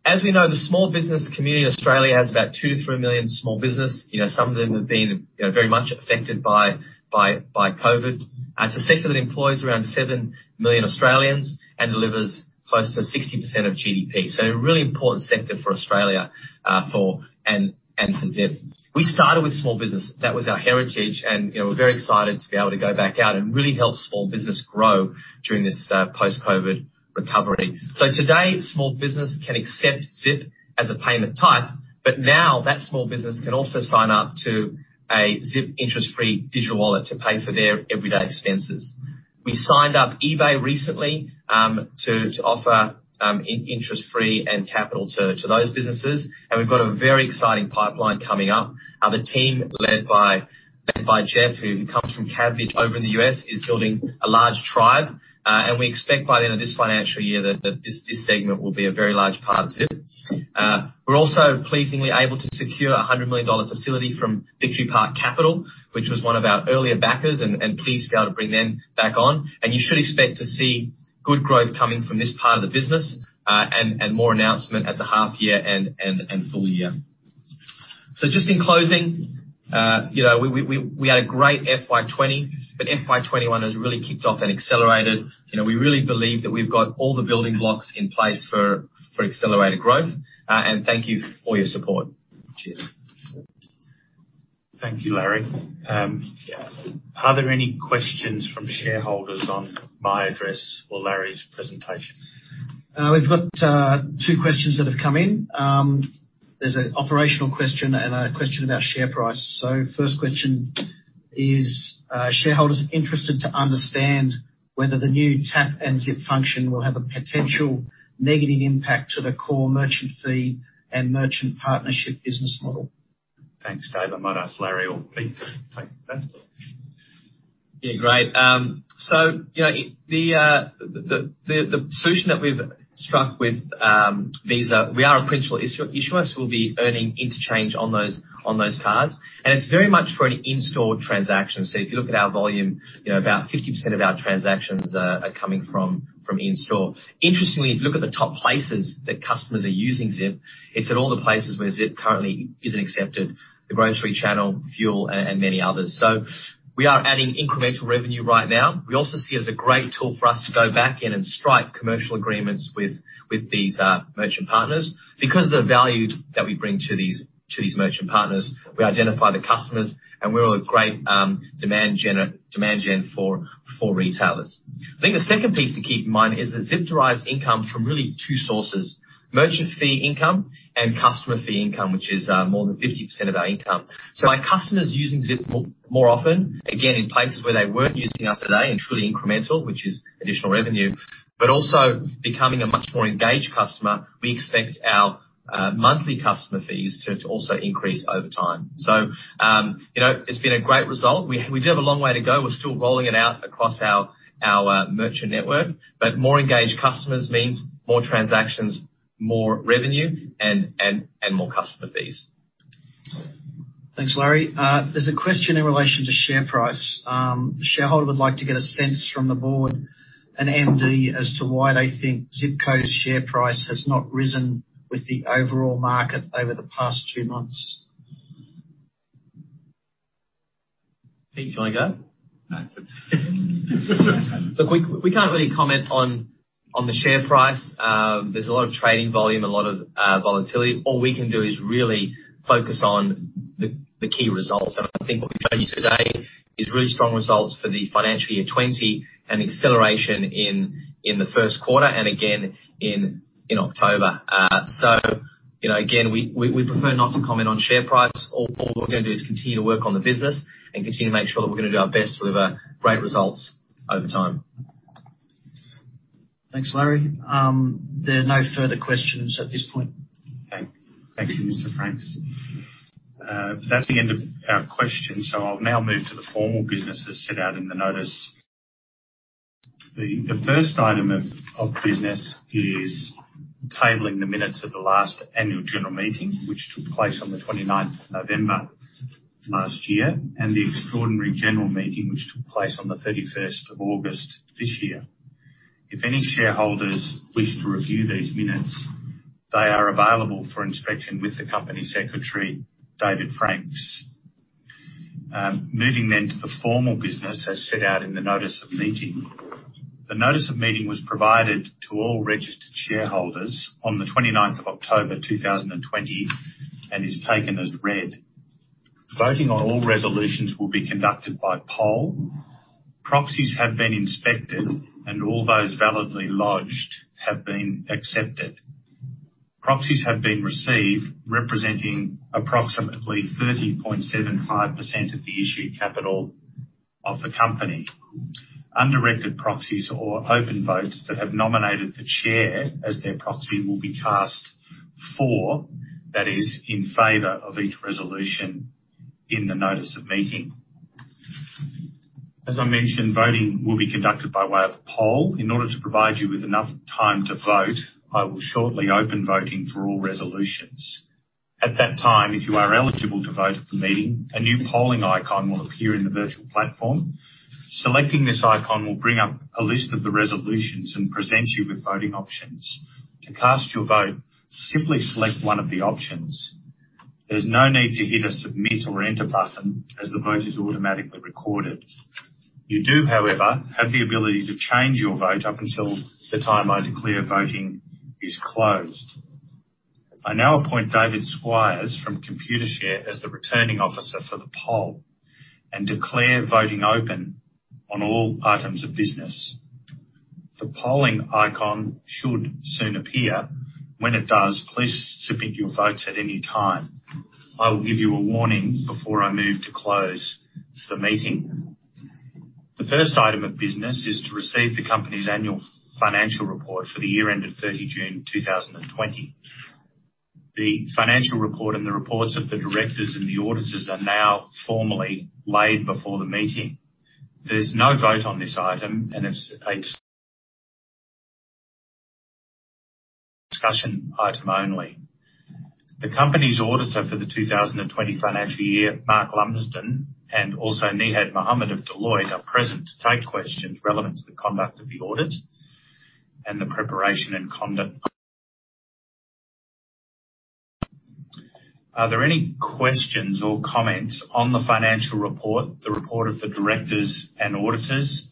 As we know, the small business community in Australia has about 2 million -3 million small businesses. You know, some of them have been, you know, very much affected by COVID. It's a sector that employs around 7 million Australians and delivers close to 60% of GDP, so a really important sector for Australia, for and for Zip. We started with small business, that was our heritage, and, you know, we're very excited to be able to go back out and really help small business grow during this post-COVID recovery. So today, small business can accept Zip as a payment type, but now that small business can also sign up to a Zip interest-free digital wallet to pay for their everyday expenses. We signed up eBay recently, to offer interest-free and capital to those businesses, and we've got a very exciting pipeline coming up. The team led by Jeff, who comes from Kabbage over in the U.S., is building a large tribe. We expect by the end of this financial year that this segment will be a very large part of Zip. We're also pleasingly able to secure a $100 million facility from Victory Park Capital, which was one of our earlier backers, and pleased to be able to bring them back on. You should expect to see good growth coming from this part of the business, and more announcement at the half year and full year. So just in closing, you know, we had a great FY 2020, but FY 2021 has really kicked off and accelerated. You know, we really believe that we've got all the building blocks in place for accelerated growth, and thank you for all your support. Cheers. Thank you, Larry. Are there any questions from shareholders on my address or Larry's presentation? We've got two questions that have come in. There's an operational question and a question about share price, so first question is: shareholders are interested to understand whether the new Tap & Zip function will have a potential negative impact to the core merchant fee and merchant partnership business model. Thanks, Dave. I might ask Larry or Pete. Thanks, Dave. Yeah, great. So you know, the solution that we've struck with Visa, we are a principal issuer, so we'll be earning interchange on those cards, and it's very much for an in-store transaction. So if you look at our volume, you know, about 50% of our transactions are coming from in-store. Interestingly, if you look at the top places that customers are using Zip, it's at all the places where Zip currently isn't accepted: the grocery channel, fuel, and many others. So we are adding incremental revenue right now. We also see it as a great tool for us to go back in and strike commercial agreements with these merchant partners. Because of the value that we bring to these merchant partners, we identify the customers, and we're a great demand gen for retailers. I think the second piece to keep in mind is that Zip derives income from really two sources, merchant fee income and customer fee income, which is more than 50% of our income. So our customers using Zip more often, again, in places where they weren't using us today and truly incremental, which is additional revenue, but also becoming a much more engaged customer, we expect our monthly customer fees to also increase over time. You know, it's been a great result. We do have a long way to go. We're still rolling it out across our merchant network. But more engaged customers means more transactions, more revenue, and, and, and more customer fees. Thanks, Larry. There's a question in relation to share price. The shareholder would like to get a sense from the board and MD as to why they think Zip Co's share price has not risen with the overall market over the past two months. Pete, do you want to go? No. Look, we can't really comment on the share price. There's a lot of trading volume, a lot of volatility. All we can do is really focus on the key results. I think what we've shown you today is really strong results for the financial year twenty, and acceleration in the first quarter, and again in October. So, you know, again, we prefer not to comment on share price. All we're going to do is continue to work on the business and continue to make sure that we're going to do our best to deliver great results over time. Thanks, Larry. There are no further questions at this point. Thank you, Mr. Franks. That's the end of our questions, so I'll now move to the formal business as set out in the notice. The first item of business is tabling the minutes of the last annual general meeting, which took place on the 29th of November last year, and the extraordinary general meeting, which took place on the 31st of August this year. If any shareholders wish to review these minutes, they are available for inspection with the Company Secretary, David Franks. Moving then to the formal business as set out in the notice of meeting. The notice of meeting was provided to all registered shareholders on the 29th of October 2020, and is taken as read. Voting on all resolutions will be conducted by poll. Proxies have been inspected, and all those validly lodged have been accepted. Proxies have been received, representing approximately 30.75% of the issued capital of the company. Undirected proxies or open votes that have nominated the chair as their proxy will be cast for, that is, in favor of each resolution in the notice of meeting. As I mentioned, voting will be conducted by way of poll. In order to provide you with enough time to vote, I will shortly open voting for all resolutions. At that time, if you are eligible to vote at the meeting, a new polling icon will appear in the virtual platform. Selecting this icon will bring up a list of the resolutions and present you with voting options. To cast your vote, simply select one of the options. There's no need to hit a Submit or Enter button, as the vote is automatically recorded. You do, however, have the ability to change your vote up until the time I declare voting is closed. I now appoint David Squires from Computershare as the Returning Officer for the poll, and declare voting open on all items of business. The polling icon should soon appear. When it does, please submit your votes at any time. I will give you a warning before I move to close the meeting. The first item of business is to receive the company's annual financial report for the year ended thirty June 2020. The financial report and the reports of the directors and the auditors are now formally laid before the meeting. There's no vote on this item, and it's a discussion item only. The company's auditor for the 2020 financial year, Mark Lumsden, and also Nihal Miranda of Deloitte, are present to take questions relevant to the conduct of the audit and the preparation and conduct. Are there any questions or comments on the financial report, the report of the directors and auditors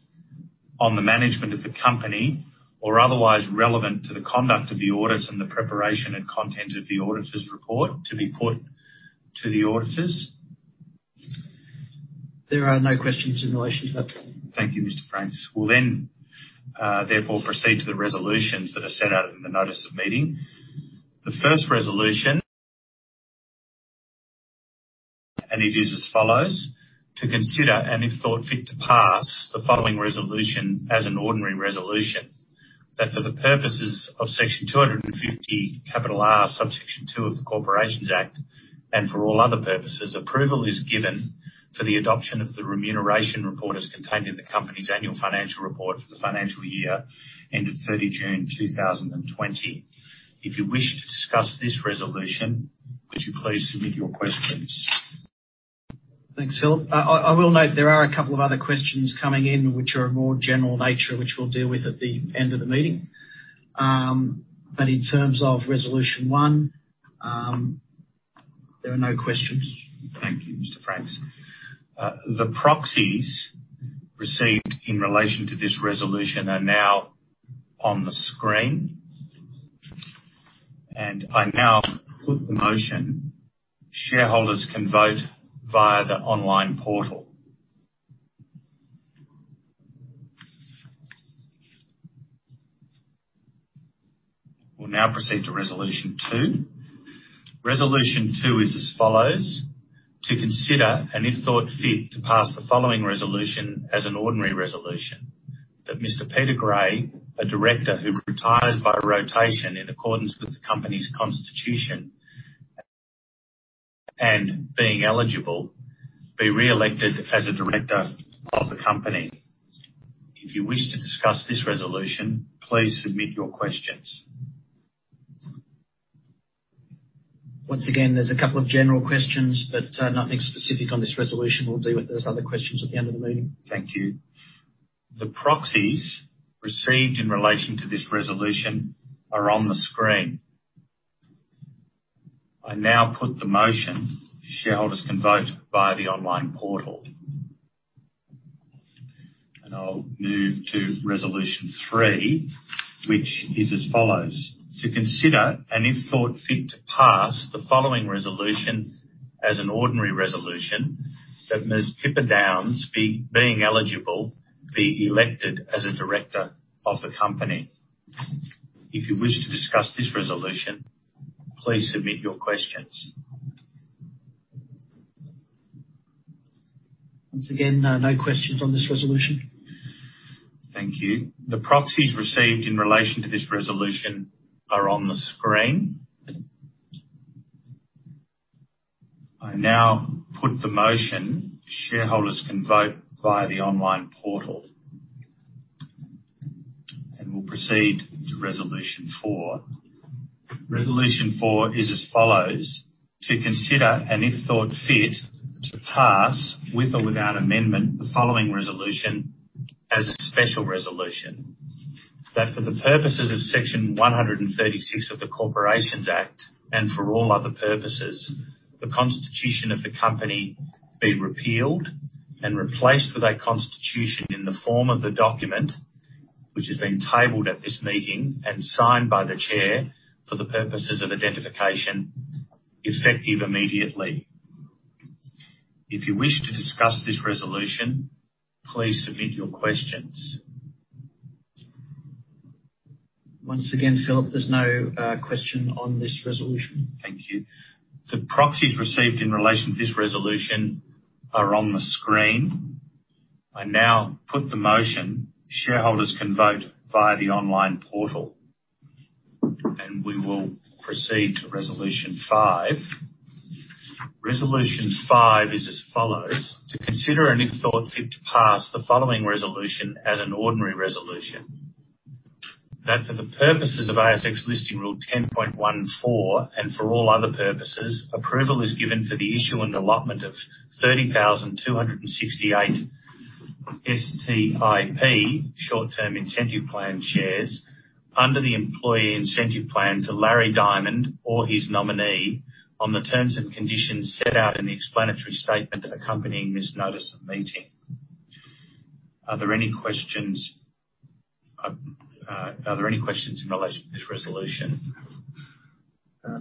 on the management of the company, or otherwise relevant to the conduct of the audit and the preparation and content of the auditor's report to be put to the auditors? There are no questions in relation to that. Thank you, Mr. Franks. We'll then, therefore proceed to the resolutions that are set out in the notice of meeting. The first resolution, and it is as follows: To consider, and if thought fit, to pass the following resolution as an ordinary resolution. That for the purposes of Section 250R(2) of the Corporations Act, and for all other purposes, approval is given for the adoption of the remuneration report as contained in the company's annual financial report for the financial year ended 30 June 2020. If you wish to discuss this resolution, would you please submit your questions? Thanks, Phil. I will note there are a couple of other questions coming in which are of more general nature, which we'll deal with at the end of the meeting. But in terms of Resolution 1, there are no questions. Thank you, Mr. Franks. The proxies received in relation to this resolution are now on the screen. And I now put the motion. Shareholders can vote via the online portal. We'll now proceed to Resolution 2. Resolution 2 is as follows: To consider, and if thought fit, to pass the following resolution as an ordinary resolution. That Mr. Peter Gray, a director who retires by rotation in accordance with the company's constitution, and being eligible, be re-elected as a director of the company. If you wish to discuss this resolution, please submit your questions. Once again, there's a couple of general questions, but, nothing specific on this resolution. We'll deal with those other questions at the end of the meeting. Thank you. The proxies received in relation to this resolution are on the screen. I now put the motion. Shareholders can vote via the online portal. I'll move to Resolution 3, which is as follows: To consider, and if thought fit, to pass the following resolution as an ordinary resolution. That Ms. Pippa Downes, being eligible, be elected as a director of the company. If you wish to discuss this resolution, please submit your questions. Once again, no questions on this resolution. Thank you. The proxies received in relation to this resolution are on the screen. I now put the motion. Shareholders can vote via the online portal. And we'll proceed to Resolution 4. Resolution 4 is as follows: To consider, and if thought fit, to pass, with or without amendment, the following resolution as a special resolution. That for the purposes of Section 136 of the Corporations Act, and for all other purposes, the constitution of the company be repealed and replaced with a constitution in the form of the document which has been tabled at this meeting and signed by the chair for the purposes of identification, effective immediately. If you wish to discuss this resolution, please submit your questions. Once again, Philip, there's no question on this resolution. Thank you. The proxies received in relation to this resolution are on the screen. I now put the motion. Shareholders can vote via the online portal. And we will proceed to Resolution 5. Resolution 5 is as follows: To consider, and if thought fit, to pass the following resolution as an ordinary resolution. That for the purposes of ASX Listing Rule 10.14, and for all other purposes, approval is given for the issue and allotment of 30,268 STIP, Short-Term Incentive Plan, shares under the Employee Incentive Plan to Larry Diamond or his nominee, on the terms and conditions set out in the explanatory statement accompanying this notice of meeting. Are there any questions, are there any questions in relation to this resolution?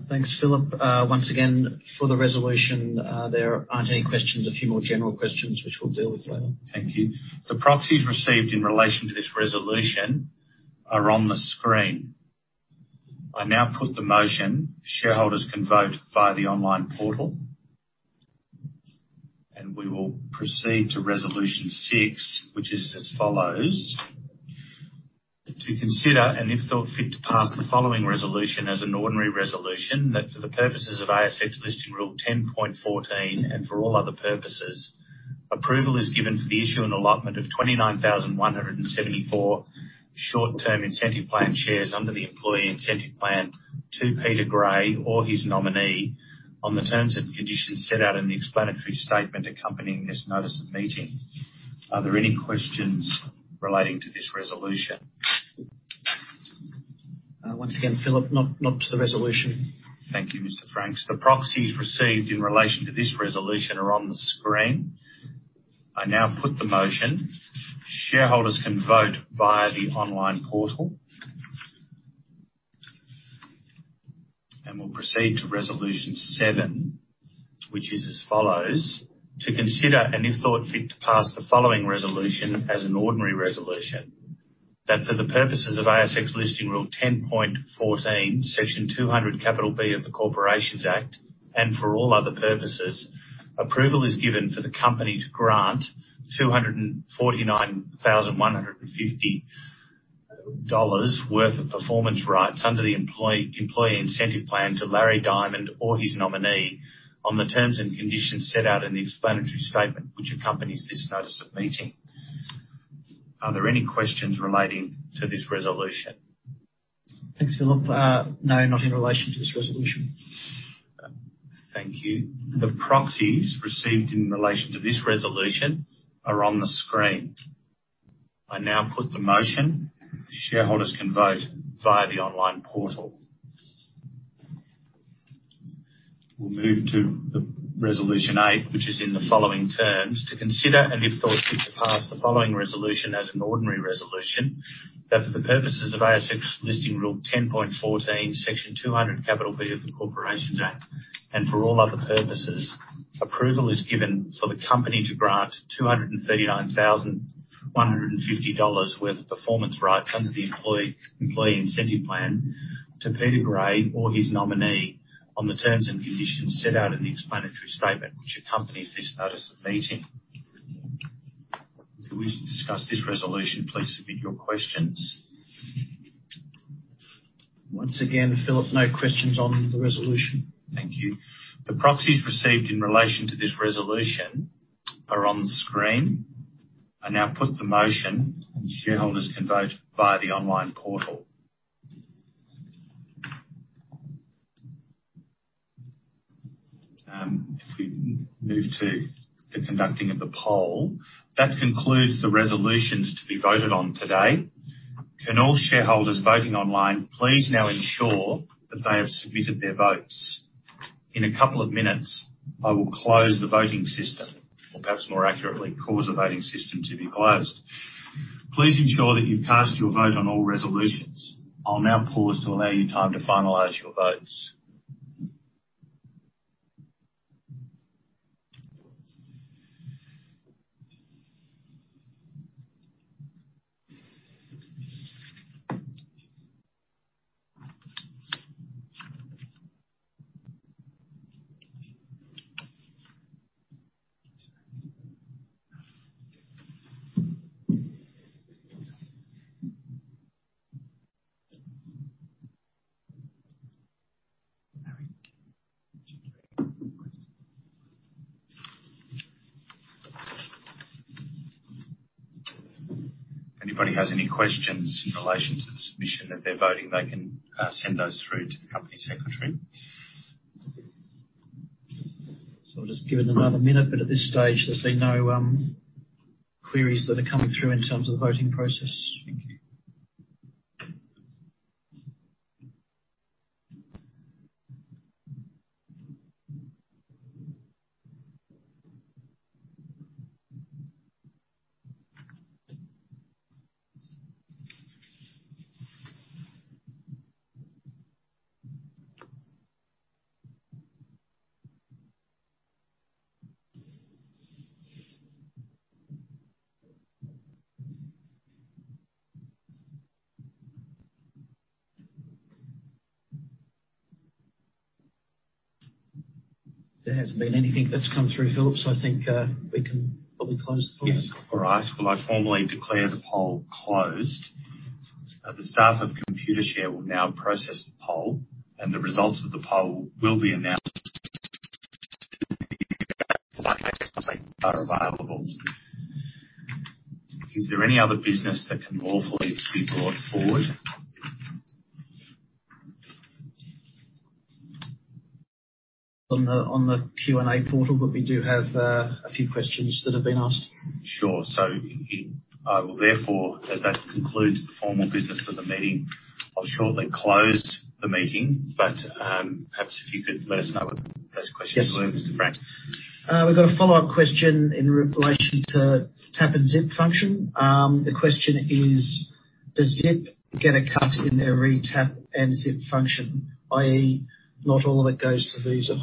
Thanks, Philip. Once again, for the resolution, there aren't any questions. A few more general questions, which we'll deal with later. Thank you. The proxies received in relation to this resolution are on the screen. I now put the motion. Shareholders can vote via the online portal. We will proceed to Resolution 6, which is as follows: To consider, and if thought fit, to pass the following resolution as an ordinary resolution, that for the purposes of ASX Listing Rule 10.14, and for all other purposes, approval is given for the issue and allotment of 29,174 Short-Term Incentive Plan shares under the Employee Incentive Plan to Peter Gray or his nominee, on the terms and conditions set out in the explanatory statement accompanying this notice of meeting. Are there any questions relating to this resolution? Once again, Philip, not to the resolution. Thank you, Mr. Franks. The proxies received in relation to this resolution are on the screen. I now put the motion. Shareholders can vote via the online portal. We'll proceed to Resolution 7, which is as follows: To consider, and if thought fit, to pass the following resolution as an ordinary resolution, that for the purposes of ASX Listing Rule 10.14, Section 200B of the Corporations Act, and for all other purposes, approval is given for the company to grant 249,150 dollars worth of performance rights under the Employee Incentive Plan to Larry Diamond or his nominee, on the terms and conditions set out in the explanatory statement which accompanies this notice of meeting. Are there any questions relating to this resolution? Thanks, Philip. No, not in relation to this resolution. Thank you. The proxies received in relation to this resolution are on the screen. I now put the motion. Shareholders can vote via the online portal. We'll move to Resolution 8, which is in the following terms: To consider, and if thought fit, to pass the following resolution as an ordinary resolution, that for the purposes of ASX Listing Rule 10.14, Section 200B of the Corporations Act, and for all other purposes, approval is given for the company to grant 239,150 dollars worth of performance rights under the Employee Incentive Plan to Peter Gray or his nominee, on the terms and conditions set out in the explanatory statement which accompanies this notice of meeting. If you wish to discuss this resolution, please submit your questions. Once again, Philip, no questions on the resolution. Thank you. The proxies received in relation to this resolution are on the screen. I now put the motion, and shareholders can vote via the online portal. If we move to the conducting of the poll, that concludes the resolutions to be voted on today. Can all shareholders voting online please now ensure that they have submitted their votes? In a couple of minutes, I will close the voting system, or perhaps more accurately, cause the voting system to be closed. Please ensure that you've cast your vote on all resolutions. I'll now pause to allow you time to finalize your votes. If anybody has any questions in relation to the submission that they're voting, they can send those through to the company secretary. I'll just give it another minute, but at this stage, there's been no queries that are coming through in terms of the voting process. Thank you. There hasn't been anything that's come through, Philip, so I think, we can probably close the poll. Yes. All right. Well, I formally declare the poll closed. The staff of Computershare will now process the poll, and the results of the poll will be announced are available. Is there any other business that can lawfully be brought forward? On the Q&A portal, but we do have a few questions that have been asked. Sure. So I will therefore, as that concludes the formal business for the meeting, I'll shortly close the meeting, but, perhaps if you could let us know what those questions were, Mr. Franks? Yes. We've got a follow-up question in relation to Tap & Zip function. The question is: Does Zip get a cut in their Tap & Zip function, i.e., not all of it goes to Visa?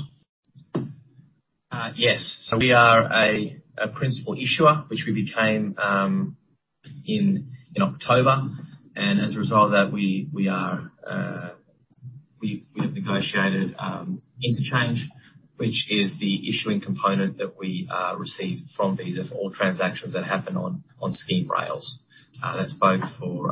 Yes, so we are a principal issuer, which we became in October, and as a result of that, we have negotiated interchange, which is the issuing component that we receive from Visa for all transactions that happen on scheme rails. That's both for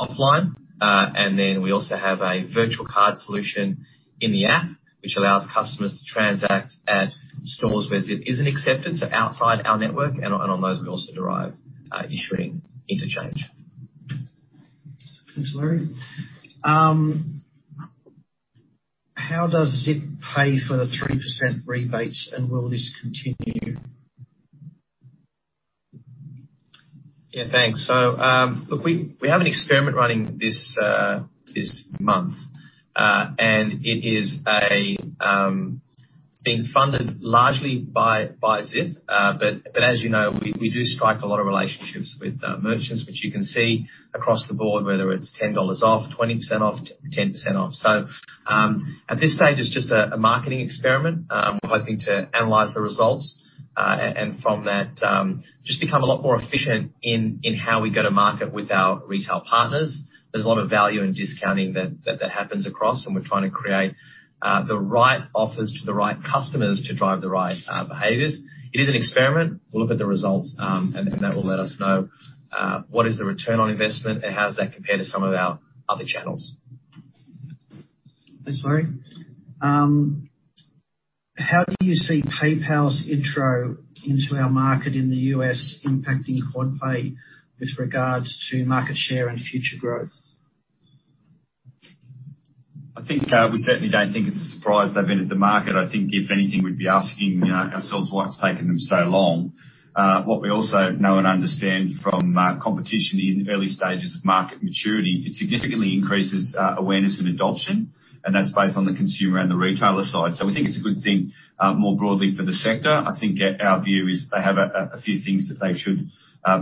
offline, and then we also have a virtual card solution in the app, which allows customers to transact at stores where Zip isn't accepted, so outside our network, and on those we also derive issuing interchange. Thanks, Larry. How does Zip pay for the 3% rebates, and will this continue? Yeah, thanks. So, look, we have an experiment running this month, and it is a. It's being funded largely by Zip. But as you know, we do strike a lot of relationships with merchants, which you can see across the board, whether it's $10 off, 20% off, 10% off. So, at this stage, it's just a marketing experiment. We're hoping to analyze the results, and from that, just become a lot more efficient in how we go to market with our retail partners. There's a lot of value in discounting that happens across, and we're trying to create the right offers to the right customers to drive the right behaviors. It is an experiment. We'll look at the results, and then that will let us know what is the return on investment, and how does that compare to some of our other channels. Thanks, Larry. How do you see PayPal's intro into our market in the U.S. impacting QuadPay with regards to market share and future growth? I think we certainly don't think it's a surprise they've entered the market. I think if anything, we'd be asking ourselves why it's taken them so long. What we also know and understand from competition in early stages of market maturity, it significantly increases awareness and adoption, and that's both on the consumer and the retailer side. So we think it's a good thing more broadly for the sector. I think our view is they have a few things that they should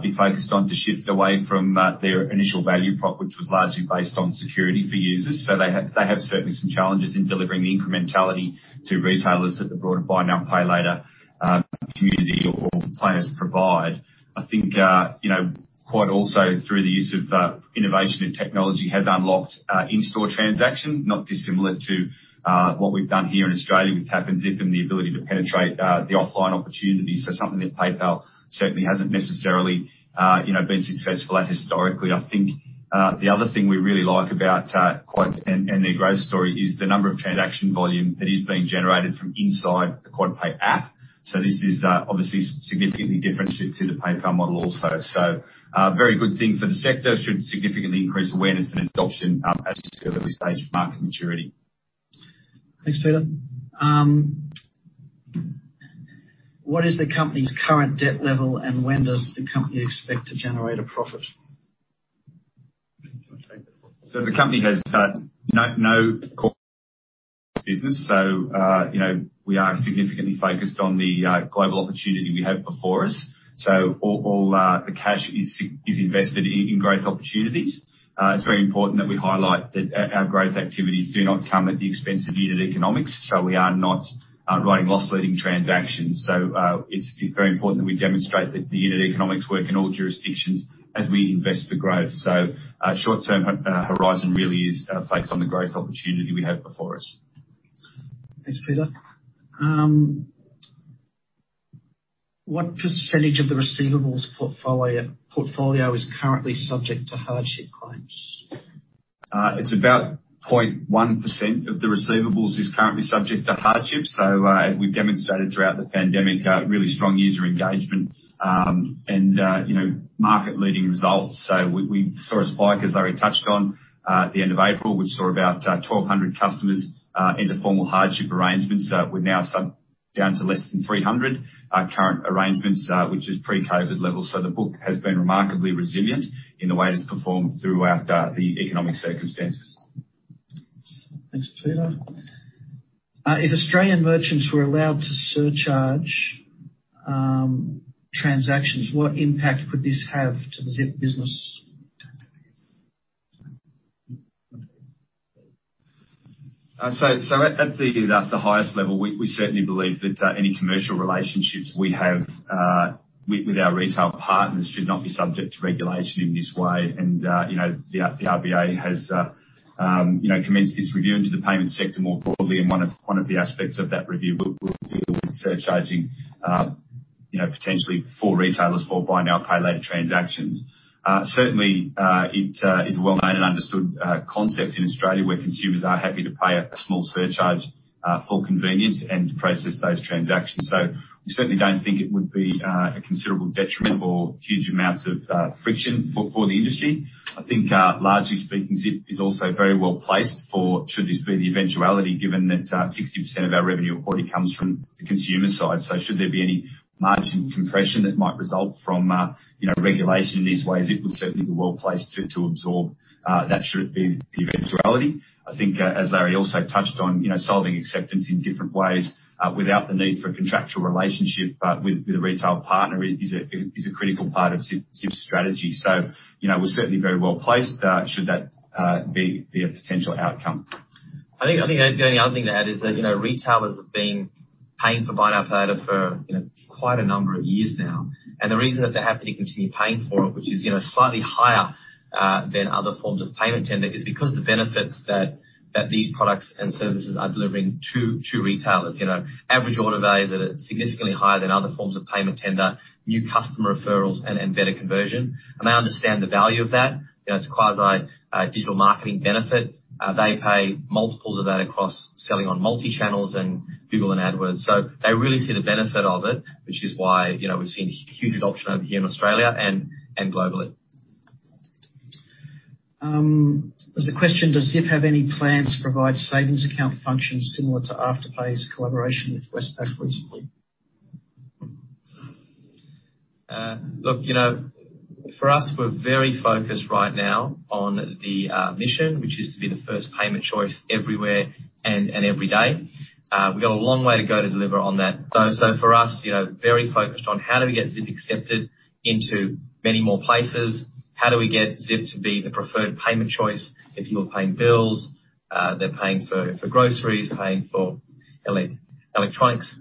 be focused on to shift away from their initial value prop, which was largely based on security for users. So they have certainly some challenges in delivering the incrementality to retailers that the broader Buy Now, Pay Later community or players provide. I think, you know, Quad also, through the use of innovation and technology, has unlocked in-store transaction, not dissimilar to what we've done here in Australia with Tap & Zip and the ability to penetrate the offline opportunity. So something that PayPal certainly hasn't necessarily, you know, been successful at historically. I think the other thing we really like about Quad and their growth story is the number of transaction volume that is being generated from inside the QuadPay app. So this is obviously significantly different to the PayPal model also. So very good thing for the sector. Should significantly increase awareness and adoption as to early stage market maturity. Thanks, Peter. What is the company's current debt level, and when does the company expect to generate a profit? So the company has no, so you know, we are significantly focused on the global opportunity we have before us. So all the cash is invested in growth opportunities. It's very important that we highlight that our growth activities do not come at the expense of unit economics, so we are not running loss-leading transactions. So it's very important that we demonstrate that the unit economics work in all jurisdictions as we invest for growth. So short-term horizon really is focused on the growth opportunity we have before us. Thanks, Peter. What percentage of the receivables portfolio is currently subject to hardship claims? It's about 0.1% of the receivables is currently subject to hardship. As we've demonstrated throughout the pandemic, really strong user engagement, and you know, market-leading results. We saw a spike, as Larry touched on, at the end of April, which saw about 1,200 customers enter formal hardship arrangements. We're now down to less than 300 current arrangements, which is pre-COVID levels. The book has been remarkably resilient in the way it's performed throughout the economic circumstances. Thanks, Peter. If Australian merchants were allowed to surcharge transactions, what impact could this have to the Zip business? At the highest level, we certainly believe that any commercial relationships we have with our retail partners should not be subject to regulation in this way. And you know, the RBA has you know commenced this review into the payment sector more broadly, and one of the aspects of that review will deal with surcharging you know potentially for retailers for Buy Now, Pay Later transactions. Certainly it is a well-known and understood concept in Australia, where consumers are happy to pay a small surcharge for convenience and to process those transactions. So we certainly don't think it would be a considerable detriment or huge amounts of friction for the industry. I think, largely speaking, Zip is also very well placed for, should this be the eventuality, given that, 60% of our revenue already comes from the consumer side. So should there be any margin compression that might result from, you know, regulation in these ways, Zip will certainly be well placed to absorb that, should it be the eventuality. I think, as Larry also touched on, you know, solving acceptance in different ways, without the need for a contractual relationship with a retail partner is a critical part of Zip's strategy. So, you know, we're certainly very well placed, should that be a potential outcome. I think the only other thing to add is that, you know, retailers have been paying for Buy Now, Pay Later for, you know, quite a number of years now. And the reason that they're happy to continue paying for it, which is, you know, slightly higher than other forms of payment tender, is because the benefits that these products and services are delivering to retailers. You know, average order values that are significantly higher than other forms of payment tender, new customer referrals, and better conversion. And they understand the value of that. You know, it's a quasi digital marketing benefit. They pay multiples of that across selling on multi-channels and Google and AdWords, so they really see the benefit of it, which is why, you know, we've seen huge adoption over here in Australia and globally. There's a question: Does Zip have any plans to provide savings account functions similar to Afterpay's collaboration with Westpac recently? Look, you know, for us, we're very focused right now on the mission, which is to be the first payment choice everywhere and every day. We've got a long way to go to deliver on that, though. So for us, you know, very focused on how do we get Zip accepted into many more places? How do we get Zip to be the preferred payment choice if you are paying bills, they're paying for groceries, paying for electronics?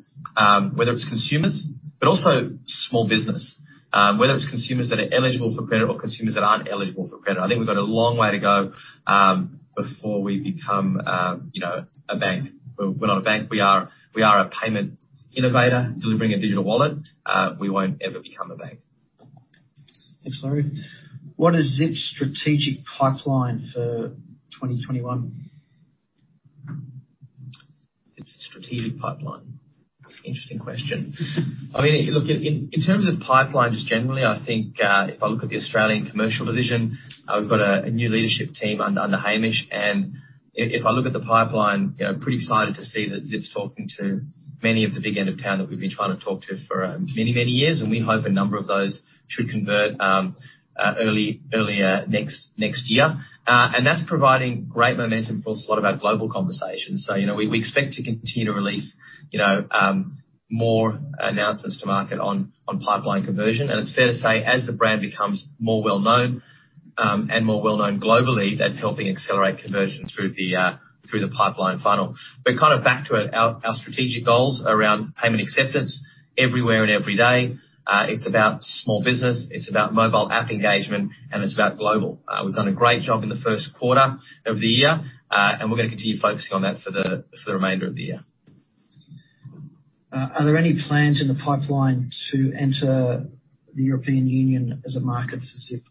Whether it's consumers, but also small business. Whether it's consumers that are eligible for credit or consumers that aren't eligible for credit. I think we've got a long way to go before we become, you know, a bank. We're not a bank. We are a payment innovator delivering a digital wallet. We won't ever become a bank. Thanks, Larry. What is Zip's strategic pipeline for 2021? Zip's strategic pipeline? That's an interesting question. I mean, look, in terms of pipelines generally, I think if I look at the Australian commercial division, we've got a new leadership team under Hamish. And if I look at the pipeline, you know, pretty excited to see that Zip's talking to many of the big end of town that we've been trying to talk to for many, many years, and we hope a number of those should convert earlier next year. And that's providing great momentum for a lot of our global conversations. So, you know, we expect to continue to release, you know, more announcements to market on pipeline conversion. And it's fair to say, as the brand becomes more well-known, and more well-known globally, that's helping accelerate conversion through the pipeline funnel. But kind of back to it, our strategic goals around payment acceptance everywhere and every day, it's about small business, it's about mobile app engagement, and it's about global. We've done a great job in the first quarter of the year, and we're going to continue focusing on that for the remainder of the year. Are there any plans in the pipeline to enter the European Union as a market for Zip?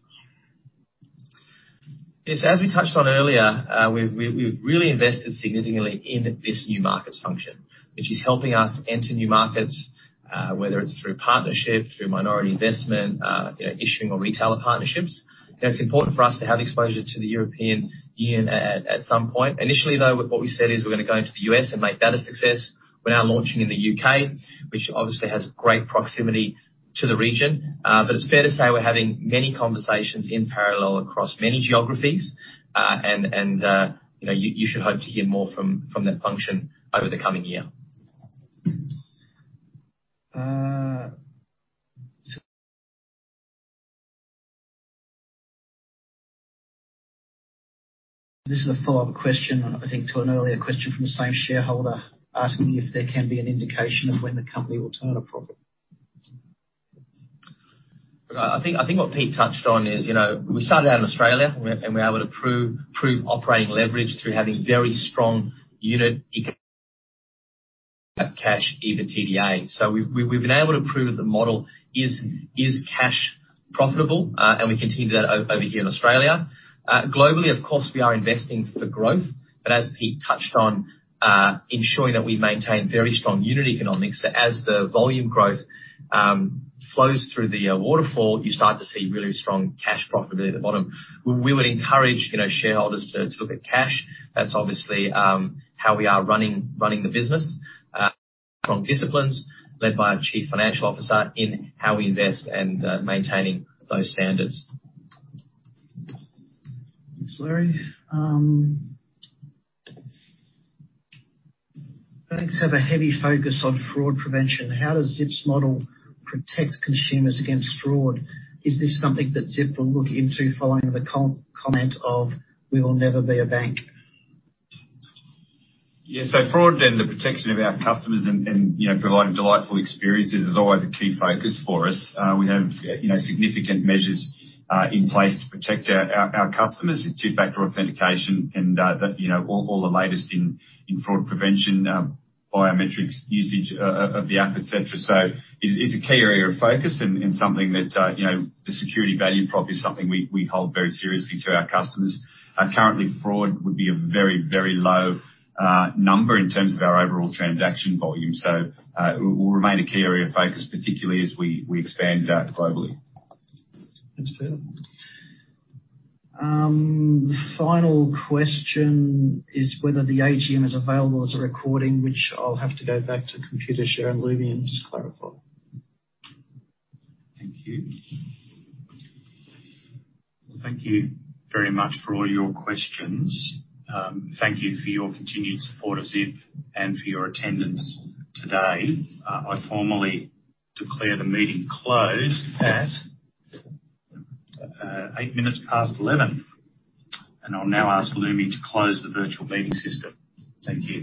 Yes, as we touched on earlier, we've really invested significantly in this new markets function, which is helping us enter new markets, whether it's through partnership, through minority investment, you know, issuing or retailer partnerships. You know, it's important for us to have exposure to the European Union at some point. Initially, though, what we said is we're going to go into the U.S. and make that a success. We're now launching in the U.K., which obviously has great proximity to the region. But it's fair to say we're having many conversations in parallel across many geographies. And you should hope to hear more from that function over the coming year. This is a follow-up question, I think, to an earlier question from the same shareholder, asking if there can be an indication of when the company will turn a profit. I think what Pete touched on is, you know, we started out in Australia, and we're able to prove operating leverage through having very strong unit cash EBITDA. So we've been able to prove that the model is cash profitable, and we continue to do that over here in Australia. Globally, of course, we are investing for growth, but as Pete touched on, ensuring that we maintain very strong unit economics, so as the volume growth flows through the waterfall, you start to see really strong cash profitability at the bottom. We would encourage, you know, shareholders to look at cash. That's obviously how we are running the business. Strong disciplines led by our Chief Financial Officer in how we invest and maintaining those standards. Thanks, Larry. Banks have a heavy focus on fraud prevention. How does Zip's model protect consumers against fraud? Is this something that Zip will look into following the comment of, "We will never be a bank? Yeah, so fraud and the protection of our customers and, you know, providing delightful experiences is always a key focus for us. We have, you know, significant measures in place to protect our customers. Two-factor authentication and the, you know, all the latest in fraud prevention, biometrics usage of the app, et cetera. So it's a key area of focus and something that, you know, the security value prop is something we hold very seriously to our customers. Currently, fraud would be a very low number in terms of our overall transaction volume. So, it will remain a key area of focus, particularly as we expand globally. Thanks, Peter. The final question is whether the AGM is available as a recording, which I'll have to go back to Computershare and Lumi and just clarify. Thank you. Thank you very much for all your questions. Thank you for your continued support of Zip and for your attendance today. I formally declare the meeting closed at eight minutes past eleven, and I'll now ask Lumi to close the virtual meeting system. Thank you.